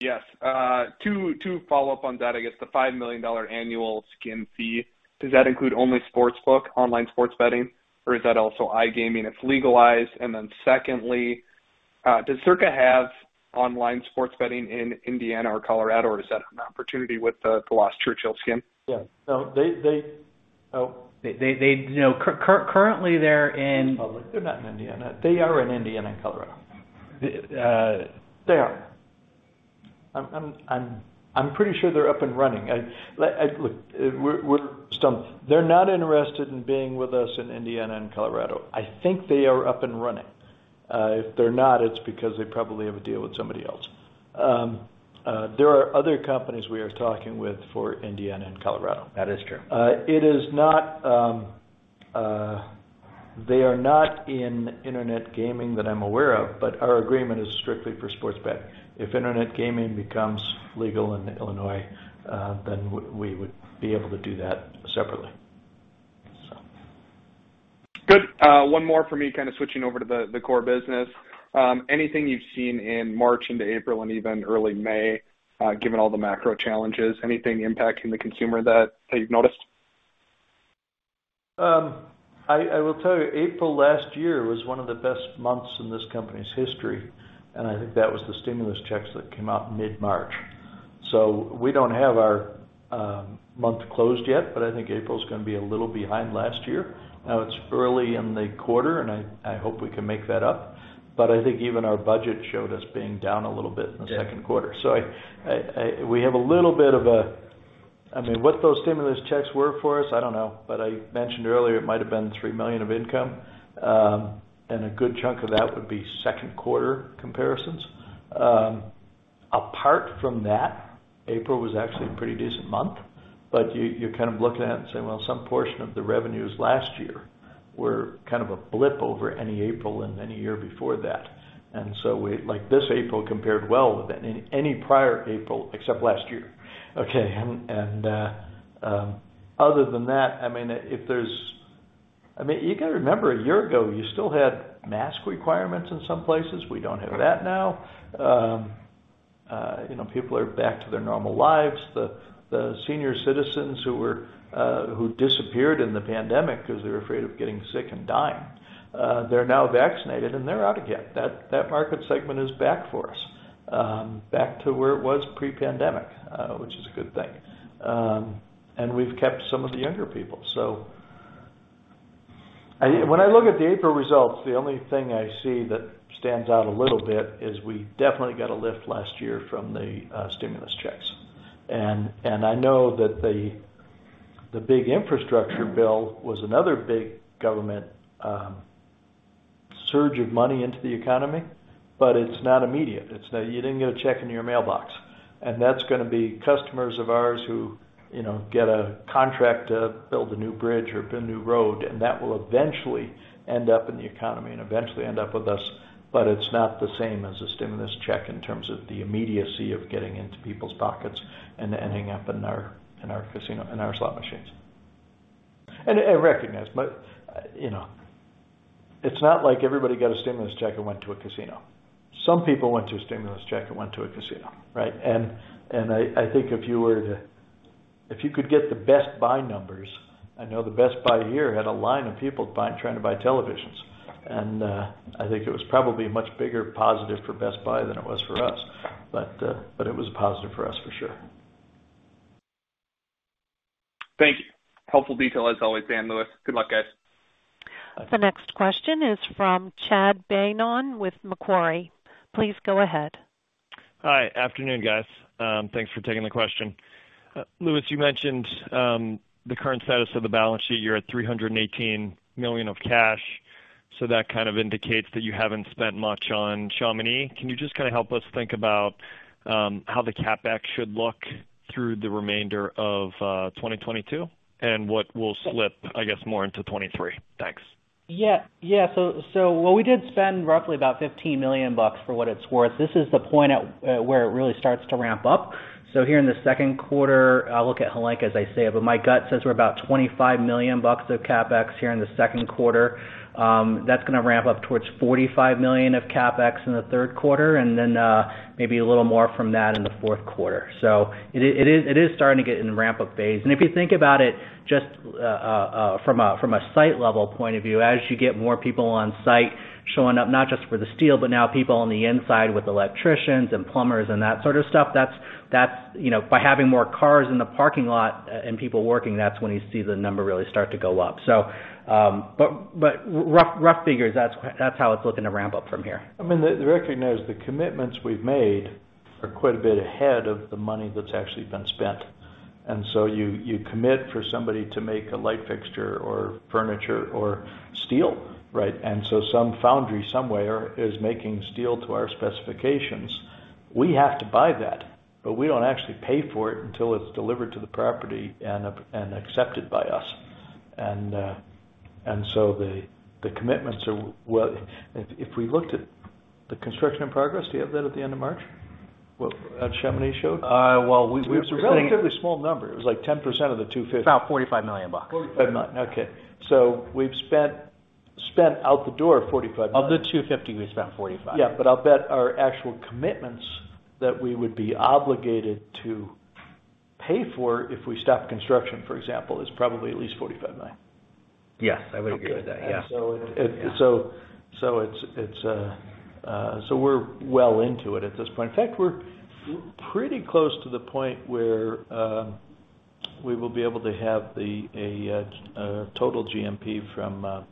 Yes. To follow up on that, I guess the $5 million annual skin fee, does that include only sports book, online sports betting, or is that also iGaming that's legalized? Secondly, does Circa have online sports betting in Indiana or Colorado, or is that an opportunity with the last Churchill skin? Yeah. No. They, you know, currently they're in- Public. They're not in Indiana. They are in Indiana and Colorado. The, uh- They are. I'm pretty sure they're up and running. Look, we're stumped. They're not interested in being with us in Indiana and Colorado. I think they are up and running. If they're not, it's because they probably have a deal with somebody else. There are other companies we are talking with for Indiana and Colorado. That is true. It is not. They are not in internet gaming that I'm aware of, but our agreement is strictly for sports betting. If internet gaming becomes legal in Illinois, then we would be able to do that separately, so. Good. One more for me, kinda switching over to the core business. Anything you've seen in March into April and even early May, given all the macro challenges, anything impacting the consumer that you've noticed? I will tell you, April last year was one of the best months in this company's history, and I think that was the stimulus checks that came out mid-March. We don't have our month closed yet, but I think April's gonna be a little behind last year. Now, it's early in the quarter, and I hope we can make that up. I think even our budget showed us being down a little bit in the second quarter. We have a little bit. I mean, what those stimulus checks were for us, I don't know. I mentioned earlier it might've been $3 million of income, and a good chunk of that would be second quarter comparisons. Apart from that, April was actually a pretty decent month. You kind of look at it and say, "Well, some portion of the revenues last year were kind of a blip over any April and any year before that." Like, this April compared well with any prior April, except last year. Okay. Other than that, I mean, you gotta remember, a year ago, you still had mask requirements in some places. We don't have that now. You know, people are back to their normal lives. The senior citizens who disappeared in the pandemic 'cause they were afraid of getting sick and dying, they're now vaccinated and they're out again. That market segment is back for us, back to where it was pre-pandemic, which is a good thing. We've kept some of the younger people. When I look at the April results, the only thing I see that stands out a little bit is we definitely got a lift last year from the stimulus checks. I know that the big infrastructure bill was another big government surge of money into the economy, but it's not immediate. It's not. You didn't get a check in your mailbox. That's gonna be customers of ours who, you know, get a contract to build a new bridge or build a new road, and that will eventually end up in the economy and eventually end up with us. It's not the same as a stimulus check in terms of the immediacy of getting into people's pockets and ending up in our casino, in our slot machines. I recognize, but, you know, it's not like everybody got a stimulus check and went to a casino. Some people spent their stimulus check and went to a casino, right? I think if you could get the Best Buy numbers, I know the Best Buy here had a line of people buying, trying to buy televisions. I think it was probably a much bigger positive for Best Buy than it was for us. It was a positive for us for sure. Thank you. Helpful detail as always, Dan, Lewis. Good luck, guys. Bye. The next question is from Chad Beynon with Macquarie. Please go ahead. Hi. Afternoon, guys. Thanks for taking the question. Lewis, you mentioned the current status of the balance sheet. You're at $318 million of cash, so that kind of indicates that you haven't spent much on Chamonix. Can you just kinda help us think about how the CapEx should look through the remainder of 2022 and what will slip, I guess, more into 2023? Thanks. What we did spend roughly about $15 million for what it's worth. This is the point at where it really starts to ramp up. Here in the second quarter, I'll look at Helenka as I say it, but my gut says we're about $25 million of CapEx here in the second quarter. That's gonna ramp up towards $45 million of CapEx in the third quarter, and then maybe a little more from that in the fourth quarter. It is starting to get in ramp-up phase. If you think about it just from a site level point of view, as you get more people on site showing up, not just for the steel, but now people on the inside with electricians and plumbers and that sort of stuff, that's you know by having more cars in the parking lot and people working, that's when you see the number really start to go up. But rough figures, that's how it's looking to ramp up from here. I mean, they recognize the commitments we've made are quite a bit ahead of the money that's actually been spent. You commit for somebody to make a light fixture or furniture or steel, right? Some foundry somewhere is making steel to our specifications. We have to buy that, but we don't actually pay for it until it's delivered to the property and accepted by us. The commitments are. If we looked at the construction in progress, do you have that at the end of March? What Chamonix showed? Well, we were thinking. It's a relatively small number. It was like 10% of the $250. About $45 million. $45 million. Okay. We've spent out the door $45 million. Of the $250, we spent $45. Yeah. I'll bet our actual commitments that we would be obligated to pay for if we stop construction, for example, is probably at least $45 million. Yes, I would agree with that. Yeah. It's so we're well into it at this point. In fact, we're pretty close to the point where we will be able to have a total GMP from our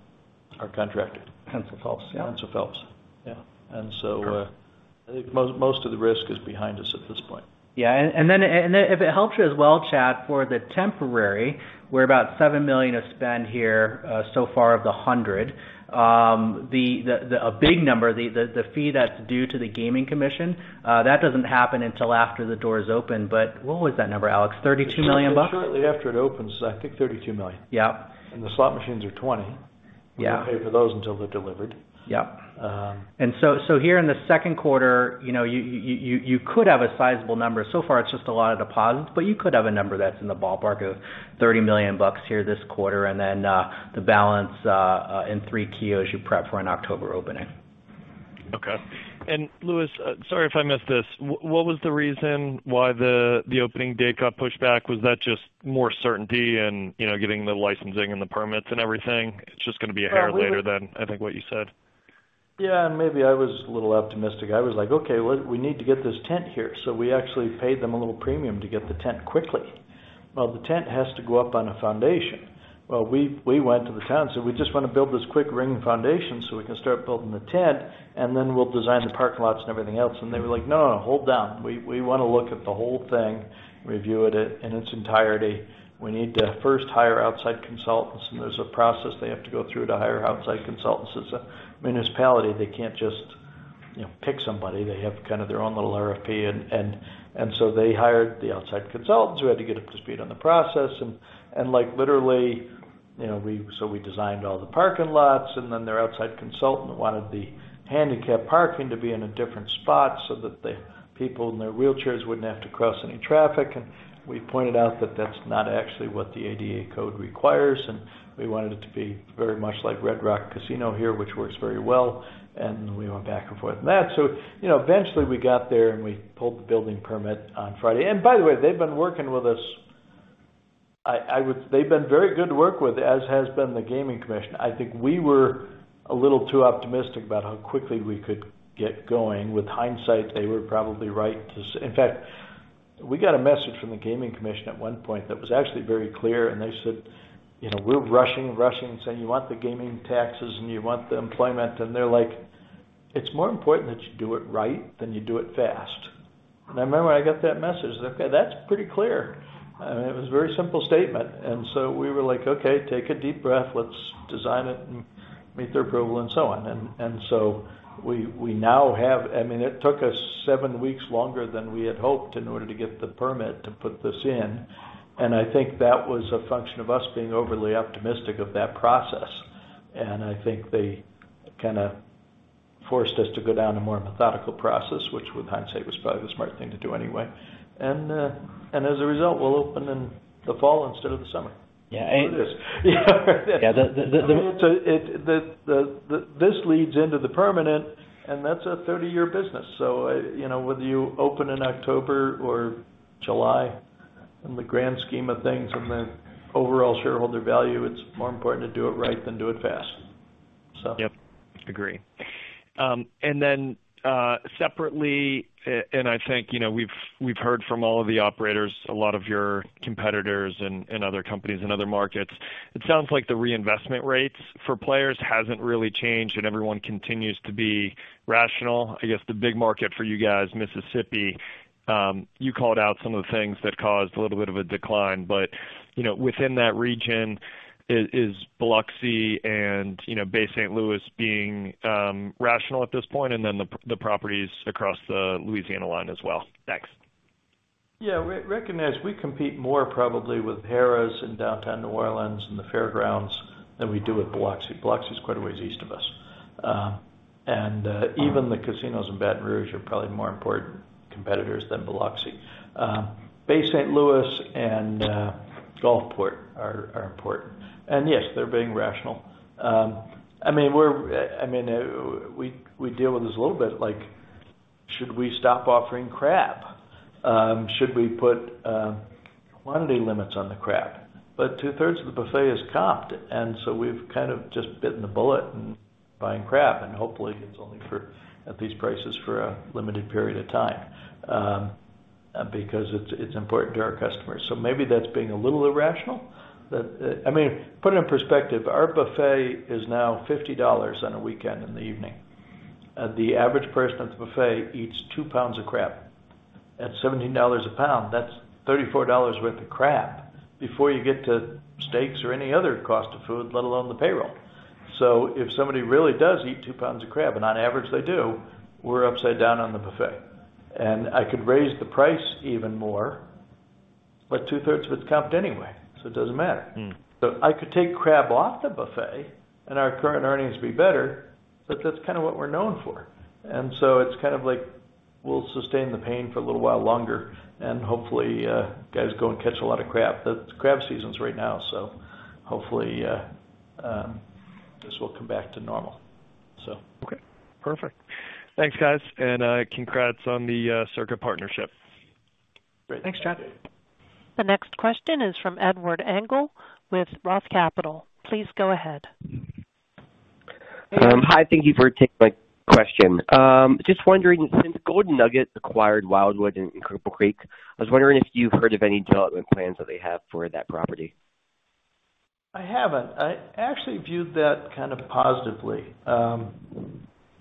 contractor. Hensel Phelps. Yeah. Hensel Phelps. Yeah. I think most of the risk is behind us at this point. Yeah. Then if it helps you as well, Chad, for the temporary, we're about $7 million of spend here, so far of the hundred. The big number, the fee that's due to the Gaming Commission, that doesn't happen until after the door is open. What was that number, Alex? $32 million bucks. Shortly after it opens, I think $32 million. Yeah. The slot machines are 20. Yeah. We don't pay for those until they're delivered. Yeah. Um- Here in the second quarter, you know, you could have a sizable number. So far, it's just a lot of deposits, but you could have a number that's in the ballpark of $30 million here this quarter, and then the balance in 3Q as you prep for an October opening. Okay. Lewis, sorry if I missed this. What was the reason why the opening date got pushed back? Was that just more certainty and, you know, getting the licensing and the permits and everything? It's just gonna be a hair later than, I think, what you said. Yeah. Maybe I was a little optimistic. I was like, "Okay, well, we need to get this tent here." We actually paid them a little premium to get the tent quickly. Well, the tent has to go up on a foundation. Well, we went to the town, said, "We just wanna build this quick ring foundation, so we can start building the tent, and then we'll design the parking lots and everything else." They were like, "No, no. Hold on. We wanna look at the whole thing, review it in its entirety. We need to first hire outside consultants," and there's a process they have to go through to hire outside consultants. It's a municipality. They can't just, you know, pick somebody. They have kind of their own little RFP. So they hired the outside consultants. We had to get up to speed on the process and, like, literally, you know, we designed all the parking lots, and then their outside consultant wanted the handicapped parking to be in a different spot so that the people in their wheelchairs wouldn't have to cross any traffic. We pointed out that that's not actually what the ADA code requires, and we wanted it to be very much like Red Rock Casino here, which works very well. We went back and forth on that. You know, eventually, we got there, and we pulled the building permit on Friday. By the way, they've been working with us. They've been very good to work with, as has been the Gaming Commission. I think we were a little too optimistic about how quickly we could get going. With hindsight, they were probably right. In fact, we got a message from the Gaming Commission at one point that was actually very clear, and they said, you know, we're rushing and saying, "You want the gaming taxes and you want the employment." They're like, "It's more important that you do it right than you do it fast." I remember when I got that message, I said, "Okay, that's pretty clear." I mean, it was a very simple statement. We were like, "Okay, take a deep breath. Let's design it and meet their approval and so on." I mean, it took us seven weeks longer than we had hoped in order to get the permit to put this in, and I think that was a function of us being overly optimistic of that process. I think they kinda forced us to go down a more methodical process, which with hindsight was probably the smart thing to do anyway. As a result, we'll open in the fall instead of the summer. Yeah. I mean, this leads into the permanent, and that's a 30-year business. You know, whether you open in October or July, in the grand scheme of things, in the overall shareholder value, it's more important to do it right than do it fast, so. Yep. Agree. Separately, I think, you know, we've heard from all of the operators, a lot of your competitors and other companies in other markets, it sounds like the reinvestment rates for players hasn't really changed, and everyone continues to be rational. I guess the big market for you guys, Mississippi, you called out some of the things that caused a little bit of a decline. You know, within that region is Biloxi and, you know, Bay St. Louis being rational at this point and then the properties across the Louisiana line as well. Thanks. Yeah. Recognize we compete more probably with Harrah's in Downtown New Orleans and the Fair Grounds than we do with Biloxi. Biloxi is quite a ways east of us. Even the casinos in Baton Rouge are probably more important competitors than Biloxi. Bay St. Louis and Gulfport are important. Yes, they're being rational. I mean, we deal with this a little bit, like, should we stop offering crab? Should we put quantity limits on the crab? Two-thirds of the buffet is comped, and so we've kind of just bitten the bullet and buying crab, and hopefully it's only at these prices for a limited period of time, because it's important to our customers. Maybe that's being a little irrational. I mean, put it in perspective. Our buffet is now $50 on a weekend in the evening. The average person at the buffet eats 2lb of crab. At $17 a pound, that's $34 worth of crab before you get to steaks or any other cost of food, let alone the payroll. So if somebody really does eat 2lb of crab, and on average, they do, we're upside down on the buffet. I could raise the price even more, but two-thirds of it's comped anyway, so it doesn't matter. Mm. I could take crab off the buffet and our current earnings be better, but that's kinda what we're known for. It's kind of like we'll sustain the pain for a little while longer and hopefully, guys go and catch a lot of crab. The crab season's right now, so hopefully, this will come back to normal. Okay, perfect. Thanks, guys, and congrats on the Circa partnership. Great. Thanks, Chad. The next question is from Edward Engel with Roth Capital. Please go ahead. Hi, thank you for taking my question. Just wondering, since Golden Nugget acquired Wildwood in Cripple Creek, I was wondering if you've heard of any development plans that they have for that property. I haven't. I actually viewed that kind of positively.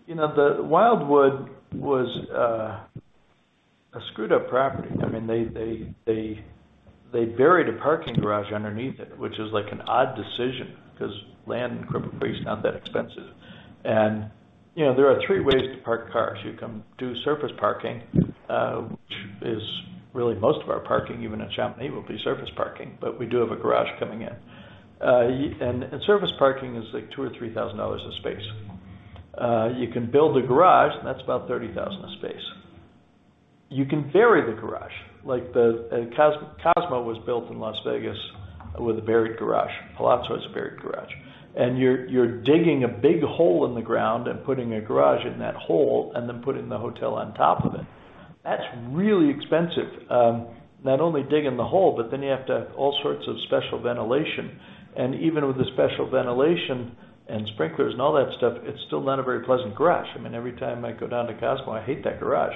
You know, the Wildwood was a screwed up property. I mean, they buried a parking garage underneath it, which is like an odd decision 'cause land in Cripple Creek is not that expensive. You know, there are three ways to park cars. You can do surface parking, which is really most of our parking, even in Chamonix will be surface parking, but we do have a garage coming in. Surface parking is like $2,000-$3,000 a space. You can build a garage, and that's about $30,000 a space. You can bury the garage like the Cosmopolitan was built in Las Vegas with a buried garage. Palazzo has a buried garage. You're digging a big hole in the ground and putting a garage in that hole and then putting the hotel on top of it. That's really expensive. Not only digging the hole, but then you have to all sorts of special ventilation. Even with the special ventilation and sprinklers and all that stuff, it's still not a very pleasant garage. I mean, every time I go down to Cosmopolitan, I hate that garage.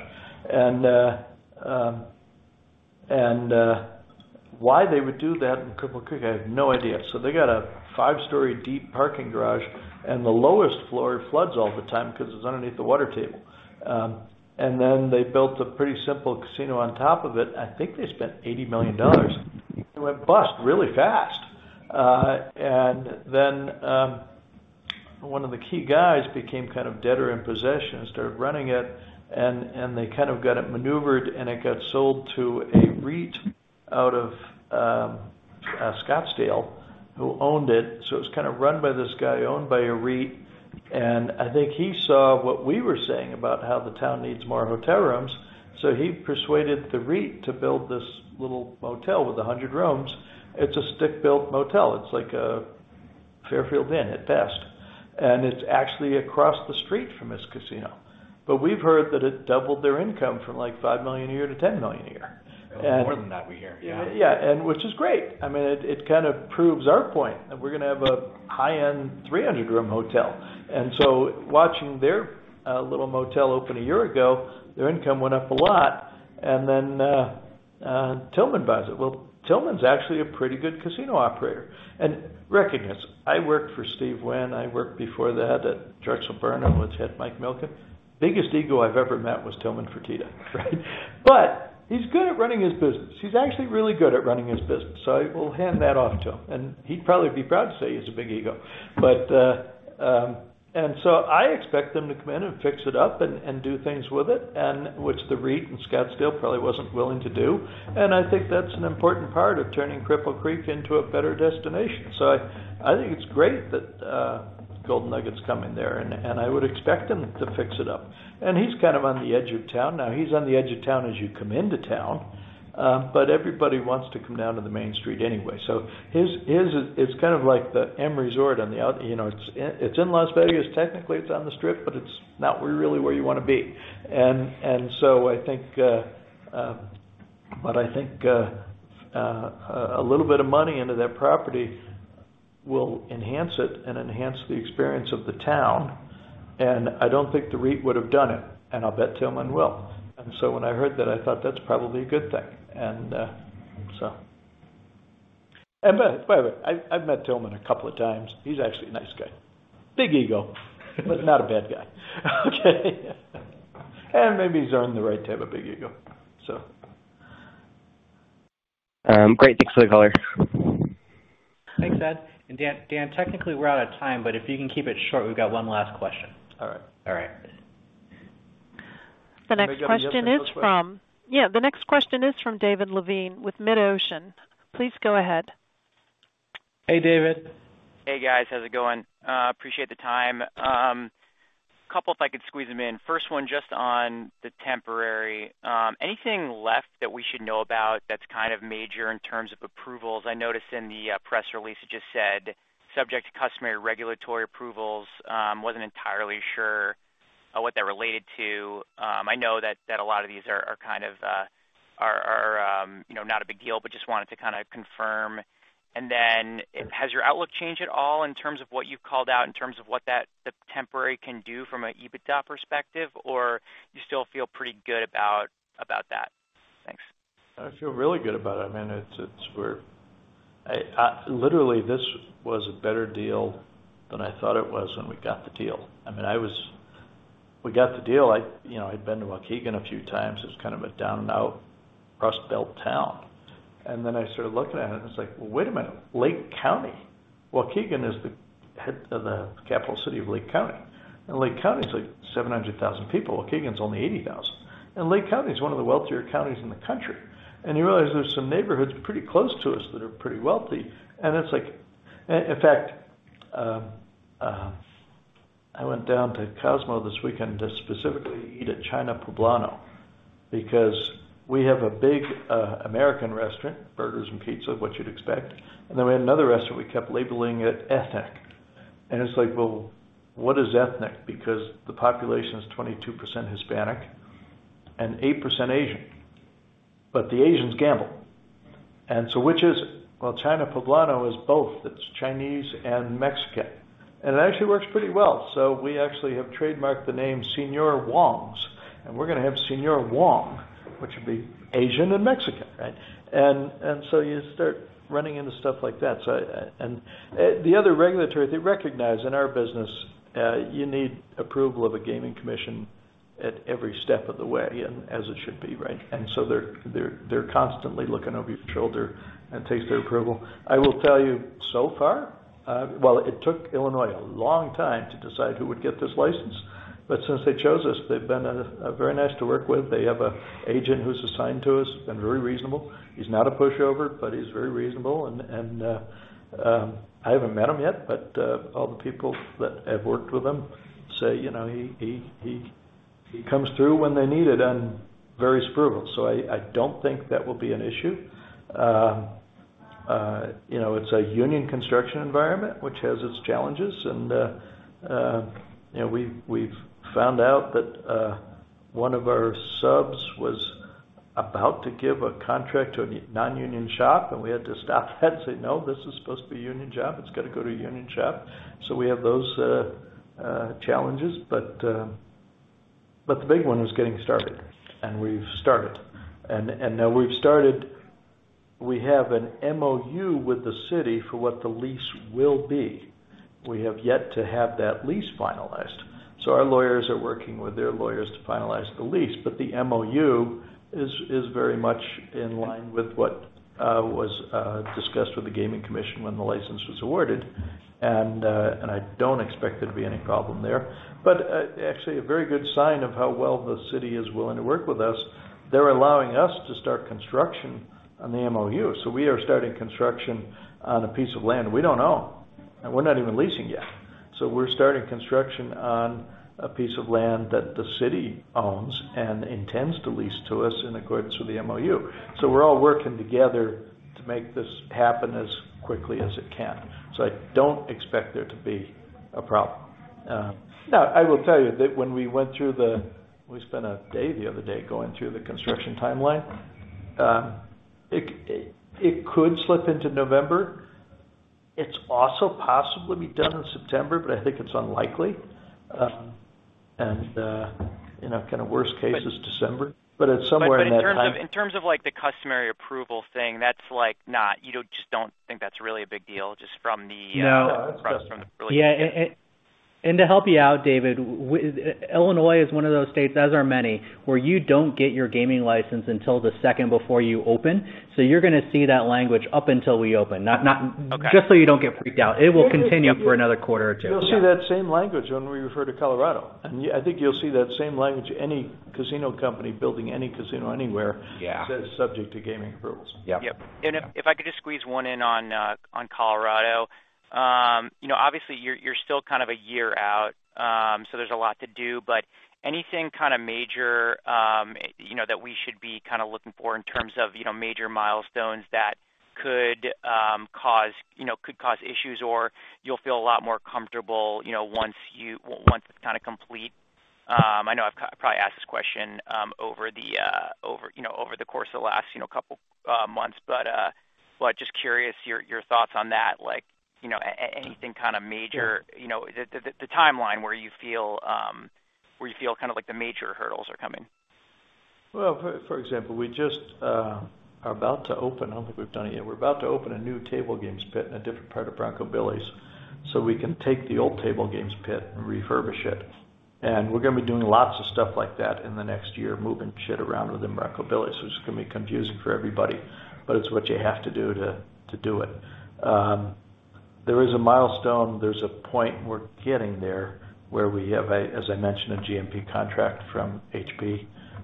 Why they would do that in Cripple Creek, I have no idea. They got a five-story deep parking garage, and the lowest floor floods all the time 'cause it's underneath the water table. Then they built a pretty simple casino on top of it. I think they spent $80 million. It went bust really fast. One of the key guys became kind of debtor in possession and started running it and they kind of got it maneuvered, and it got sold to a REIT out of Scottsdale who owned it. It was kind of run by this guy, owned by a REIT, and I think he saw what we were saying about how the town needs more hotel rooms, so he persuaded the REIT to build this little motel with 100 rooms. It's a stick-built motel. It's like a Fairfield Inn at best. It's actually across the street from his casino. We've heard that it doubled their income from like $5 million a year to $10 million a year. More than that we hear. Yeah. Yeah, which is great. I mean, it kind of proves our point, and we're gonna have a high-end 300-room hotel. Watching their little motel open a year ago, their income went up a lot. Tilman buys it. Well, Tilman's actually a pretty good casino operator. Recognize, I worked for Steve Wynn. I worked before that at Drexel Burnham Lambert, which had Mike Milken. Biggest ego I've ever met was Tilman Fertitta, right? He's good at running his business. He's actually really good at running his business. I will hand that off to him, and he'd probably be proud to say he has a big ego. I expect them to come in and fix it up and do things with it and which the REIT in Scottsdale probably wasn't willing to do. I think that's an important part of turning Cripple Creek into a better destination. I think it's great that Golden Nugget's coming there, and I would expect them to fix it up. He's kind of on the edge of town now. He's on the edge of town as you come into town, but everybody wants to come down to the main street anyway. His it's kind of like the M Resort you know, it's in Las Vegas. Technically, it's on the strip, but it's not where you really wanna be. I think a little bit of money into that property will enhance it and enhance the experience of the town, and I don't think the REIT would have done it, and I'll bet Tilman will. When I heard that, I thought that's probably a good thing. By the way, I've met Tilman a couple of times. He's actually a nice guy. Big ego, but not a bad guy. Okay. Maybe he's earned the right to have a big ego. Great. Thanks for the color. Thanks, Ed. Dan, technically, we're out of time, but if you can keep it short, we've got one last question. All right. All right. The next question is from. *crosstalk* Can I get one yes or no question? Yeah, the next question is from David Levine with MidOcean. Please go ahead. Hey, David. Hey, guys. How's it going? Appreciate the time. Couple if I could squeeze them in. First one, just on the temporary. Anything left that we should know about that's kind of major in terms of approvals? I noticed in the press release, it just said, "Subject to customary regulatory approvals." Wasn't entirely sure what that related to. I know that a lot of these are kind of you know not a big deal, but just wanted to kinda confirm. Has your outlook changed at all in terms of what you've called out in terms of what that the temporary can do from an EBITDA perspective, or you still feel pretty good about that? Thanks. I feel really good about it. I mean, literally this was a better deal than I thought it was when we got the deal. I mean, we got the deal. You know, I'd been to Waukegan a few times. It's kind of a down and out rust belt town. Then I started looking at it and it's like, wait a minute, Lake County. Waukegan is the head of the capital city of Lake County. Lake County is like 700,000 people. Waukegan is only 80,000. Lake County is one of the wealthier counties in the country. You realize there's some neighborhoods pretty close to us that are pretty wealthy. It's like. In fact, I went down to Cosmopolitan this weekend to specifically eat at China Poblano. Because we have a big American restaurant, burgers and pizza, what you'd expect. Then we had another restaurant, we kept labeling it ethnic. It's like, well, what is ethnic? Because the population is 22% Hispanic and 8% Asian, but the Asians gamble, which is. Well, China Poblano is both. It's Chinese and Mexican, and it actually works pretty well. We actually have trademarked the name Señor Wong's, and we're gonna have Señor Wong's, which would be Asian and Mexican, right? You start running into stuff like that. The other regulators, they recognize in our business, you need approval of a Gaming Commission at every step of the way, and as it should be, right? They're constantly looking over your shoulder and it takes their approval. I will tell you so far, well, it took Illinois a long time to decide who would get this license. Since they chose us, they've been very nice to work with. They have an agent who's assigned to us, been very reasonable. He's not a pushover, but he's very reasonable and I haven't met him yet, but all the people that have worked with him say, you know, he comes through when they need it and very approachable. I don't think that will be an issue. You know, it's a union construction environment, which has its challenges. You know, we've found out that one of our subs was about to give a contract to a non-union shop, and we had to stop that and say, "No, this is supposed to be a union job. It's gotta go to a union shop." We have those challenges. The big one was getting started, and we've started. Now we've started, we have an MOU with the city for what the lease will be. We have yet to have that lease finalized. Our lawyers are working with their lawyers to finalize the lease. The MOU is very much in line with what was discussed with the Gaming Commission when the license was awarded. I don't expect there to be any problem there. Actually a very good sign of how well the city is willing to work with us. They're allowing us to start construction on the MOU. We are starting construction on a piece of land we don't own, and we're not even leasing yet. We're starting construction on a piece of land that the city owns and intends to lease to us in accordance with the MOU. We're all working together to make this happen as quickly as it can. I don't expect there to be a problem. Now I will tell you that we spent a day the other day going through the construction timeline. It could slip into November. It's also possible to be done in September, but I think it's unlikely. You know, kind of worst case is December, but it's somewhere in that time. In terms of like the customary approval thing, that's like not. Just don't think that's really a big deal just from the, No. Just from the release. To help you out, David, Illinois is one of those states, as are many, where you don't get your gaming license until the second before you open. You're gonna see that language up until we open. Not Okay. Just so you don't get freaked out. It will continue for another quarter or two. Yeah. You'll see that same language when we refer to Colorado. I think you'll see that same language any casino company building any casino anywhere. Yeah. Says subject to gaming approvals. Yeah. Yep. If I could just squeeze one in on Colorado. You know, obviously you're still kind of a year out, so there's a lot to do, but anything kinda major, you know, that we should be kinda looking for in terms of, you know, major milestones that could cause issues or you'll feel a lot more comfortable, you know, once it's kinda complete? I know I've probably asked this question over the course of the last couple months, but just curious your thoughts on that, like, you know, anything kinda major, you know, the timeline where you feel kinda like the major hurdles are coming. Well, for example, I don't think we've done it yet. We're about to open a new table games pit in a different part of Bronco Billy's, so we can take the old table games pit and refurbish it. We're gonna be doing lots of stuff like that in the next year, moving shit around within Bronco Billy's, which is gonna be confusing for everybody, but it's what you have to do to do it. There is a milestone, there's a point, we're getting there, where we have, as I mentioned, a GMP contract from Hensel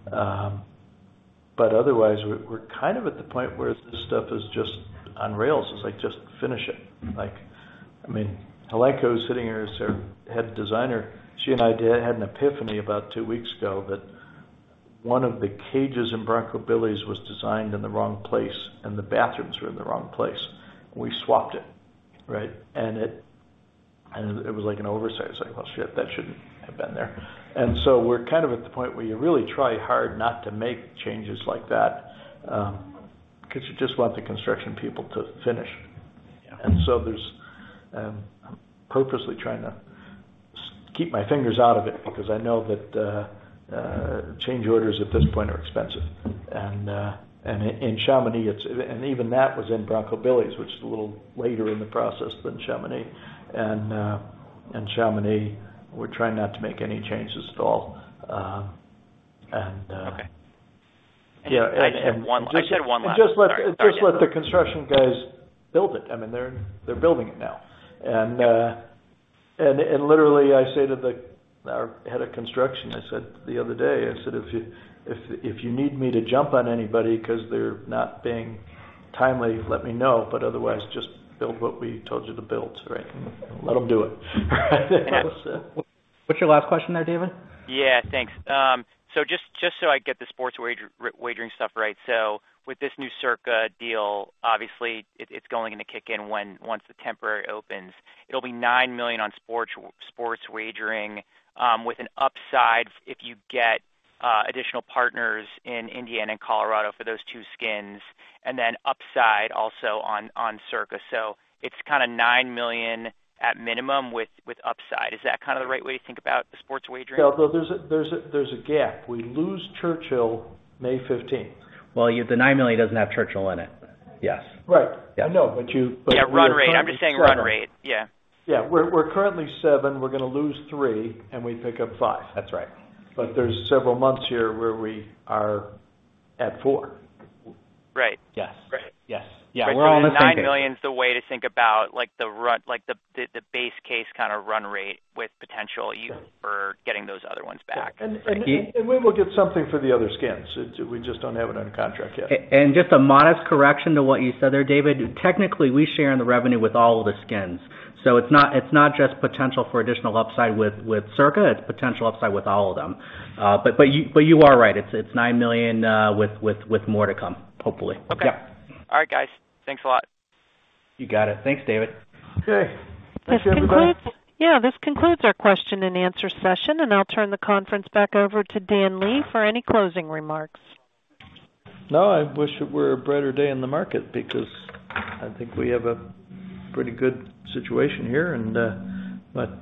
Phelps. Otherwise, we're kind of at the point where this stuff is just on rails. It's like, just finish it. Like, I mean, Helenka is sitting here as our head designer. She and I had an epiphany about two weeks ago that one of the cages in Bronco Billy's was designed in the wrong place, and the bathrooms were in the wrong place. We swapped it, right? And it was like an oversight. It's like, "Well, shit, that shouldn't have been there." We're kind of at the point where you really try hard not to make changes like that, 'cause you just want the construction people to finish. Yeah. There's, I'm purposely trying to keep my fingers out of it because I know that change orders at this point are expensive. In Chamonix, it's. Even that was in Bronco Billy's, which is a little later in the process than Chamonix. In Chamonix, we're trying not to make any changes at all. Okay. Yeah. I just have one last. Sorry. *crosstalk* Just let the construction guys build it. I mean, they're building it now. Literally, I said to our head of construction the other day, "If you need me to jump on anybody 'cause they're not being timely, let me know, but otherwise just build what we told you to build. Right? Let them do it. What's your last question there, David? Yeah, thanks. Just so I get the sports wagering stuff right. With this new Circa deal, obviously it's going to kick in once the temporary opens. It'll be $9 million on sports wagering, with an upside if you get additional partners in Indiana and Colorado for those two skins, and then upside also on Circa. It's kinda $9 million at minimum with upside. Is that kinda the right way to think about the sports wagering? Yeah. Though there's a gap. We lose Churchill Downs May fifteenth. Well, the $9 million doesn't have Churchill in it. Yes. Right. Yeah. I know, but we're currently seven. Yeah, run rate. I'm just saying run rate. Yeah. Yeah. We're currently seven, we're gonna lose three, and we pick up five. That's right. There's several months here where we are at four. Right. Yes. Right. Yes. Yeah, we're only thinking. The $9 million's the way to think about, like, the base case kinda run rate with potential upside for getting those other ones back. We will get something for the other skins. We just don't have it under contract yet. Just a modest correction to what you said there, David. Technically, we share in the revenue with all of the skins. It's not just potential for additional upside with Circa, it's potential upside with all of them. You are right. It's $9 million with more to come, hopefully. Okay. Yeah. All right, guys. Thanks a lot. You got it. Thanks, David. Okay. Thank you, everybody. This concludes our question and answer session, and I'll turn the conference back over to Dan Lee for any closing remarks. No, I wish it were a brighter day in the market because I think we have a pretty good situation here, but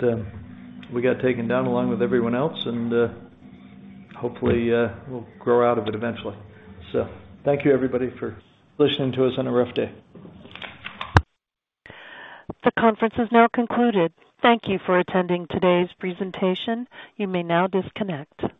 we got taken down along with everyone else and hopefully we'll grow out of it eventually. Thank you, everybody, for listening to us on a rough day. The conference is now concluded. Thank you for attending today's presentation. You may now disconnect.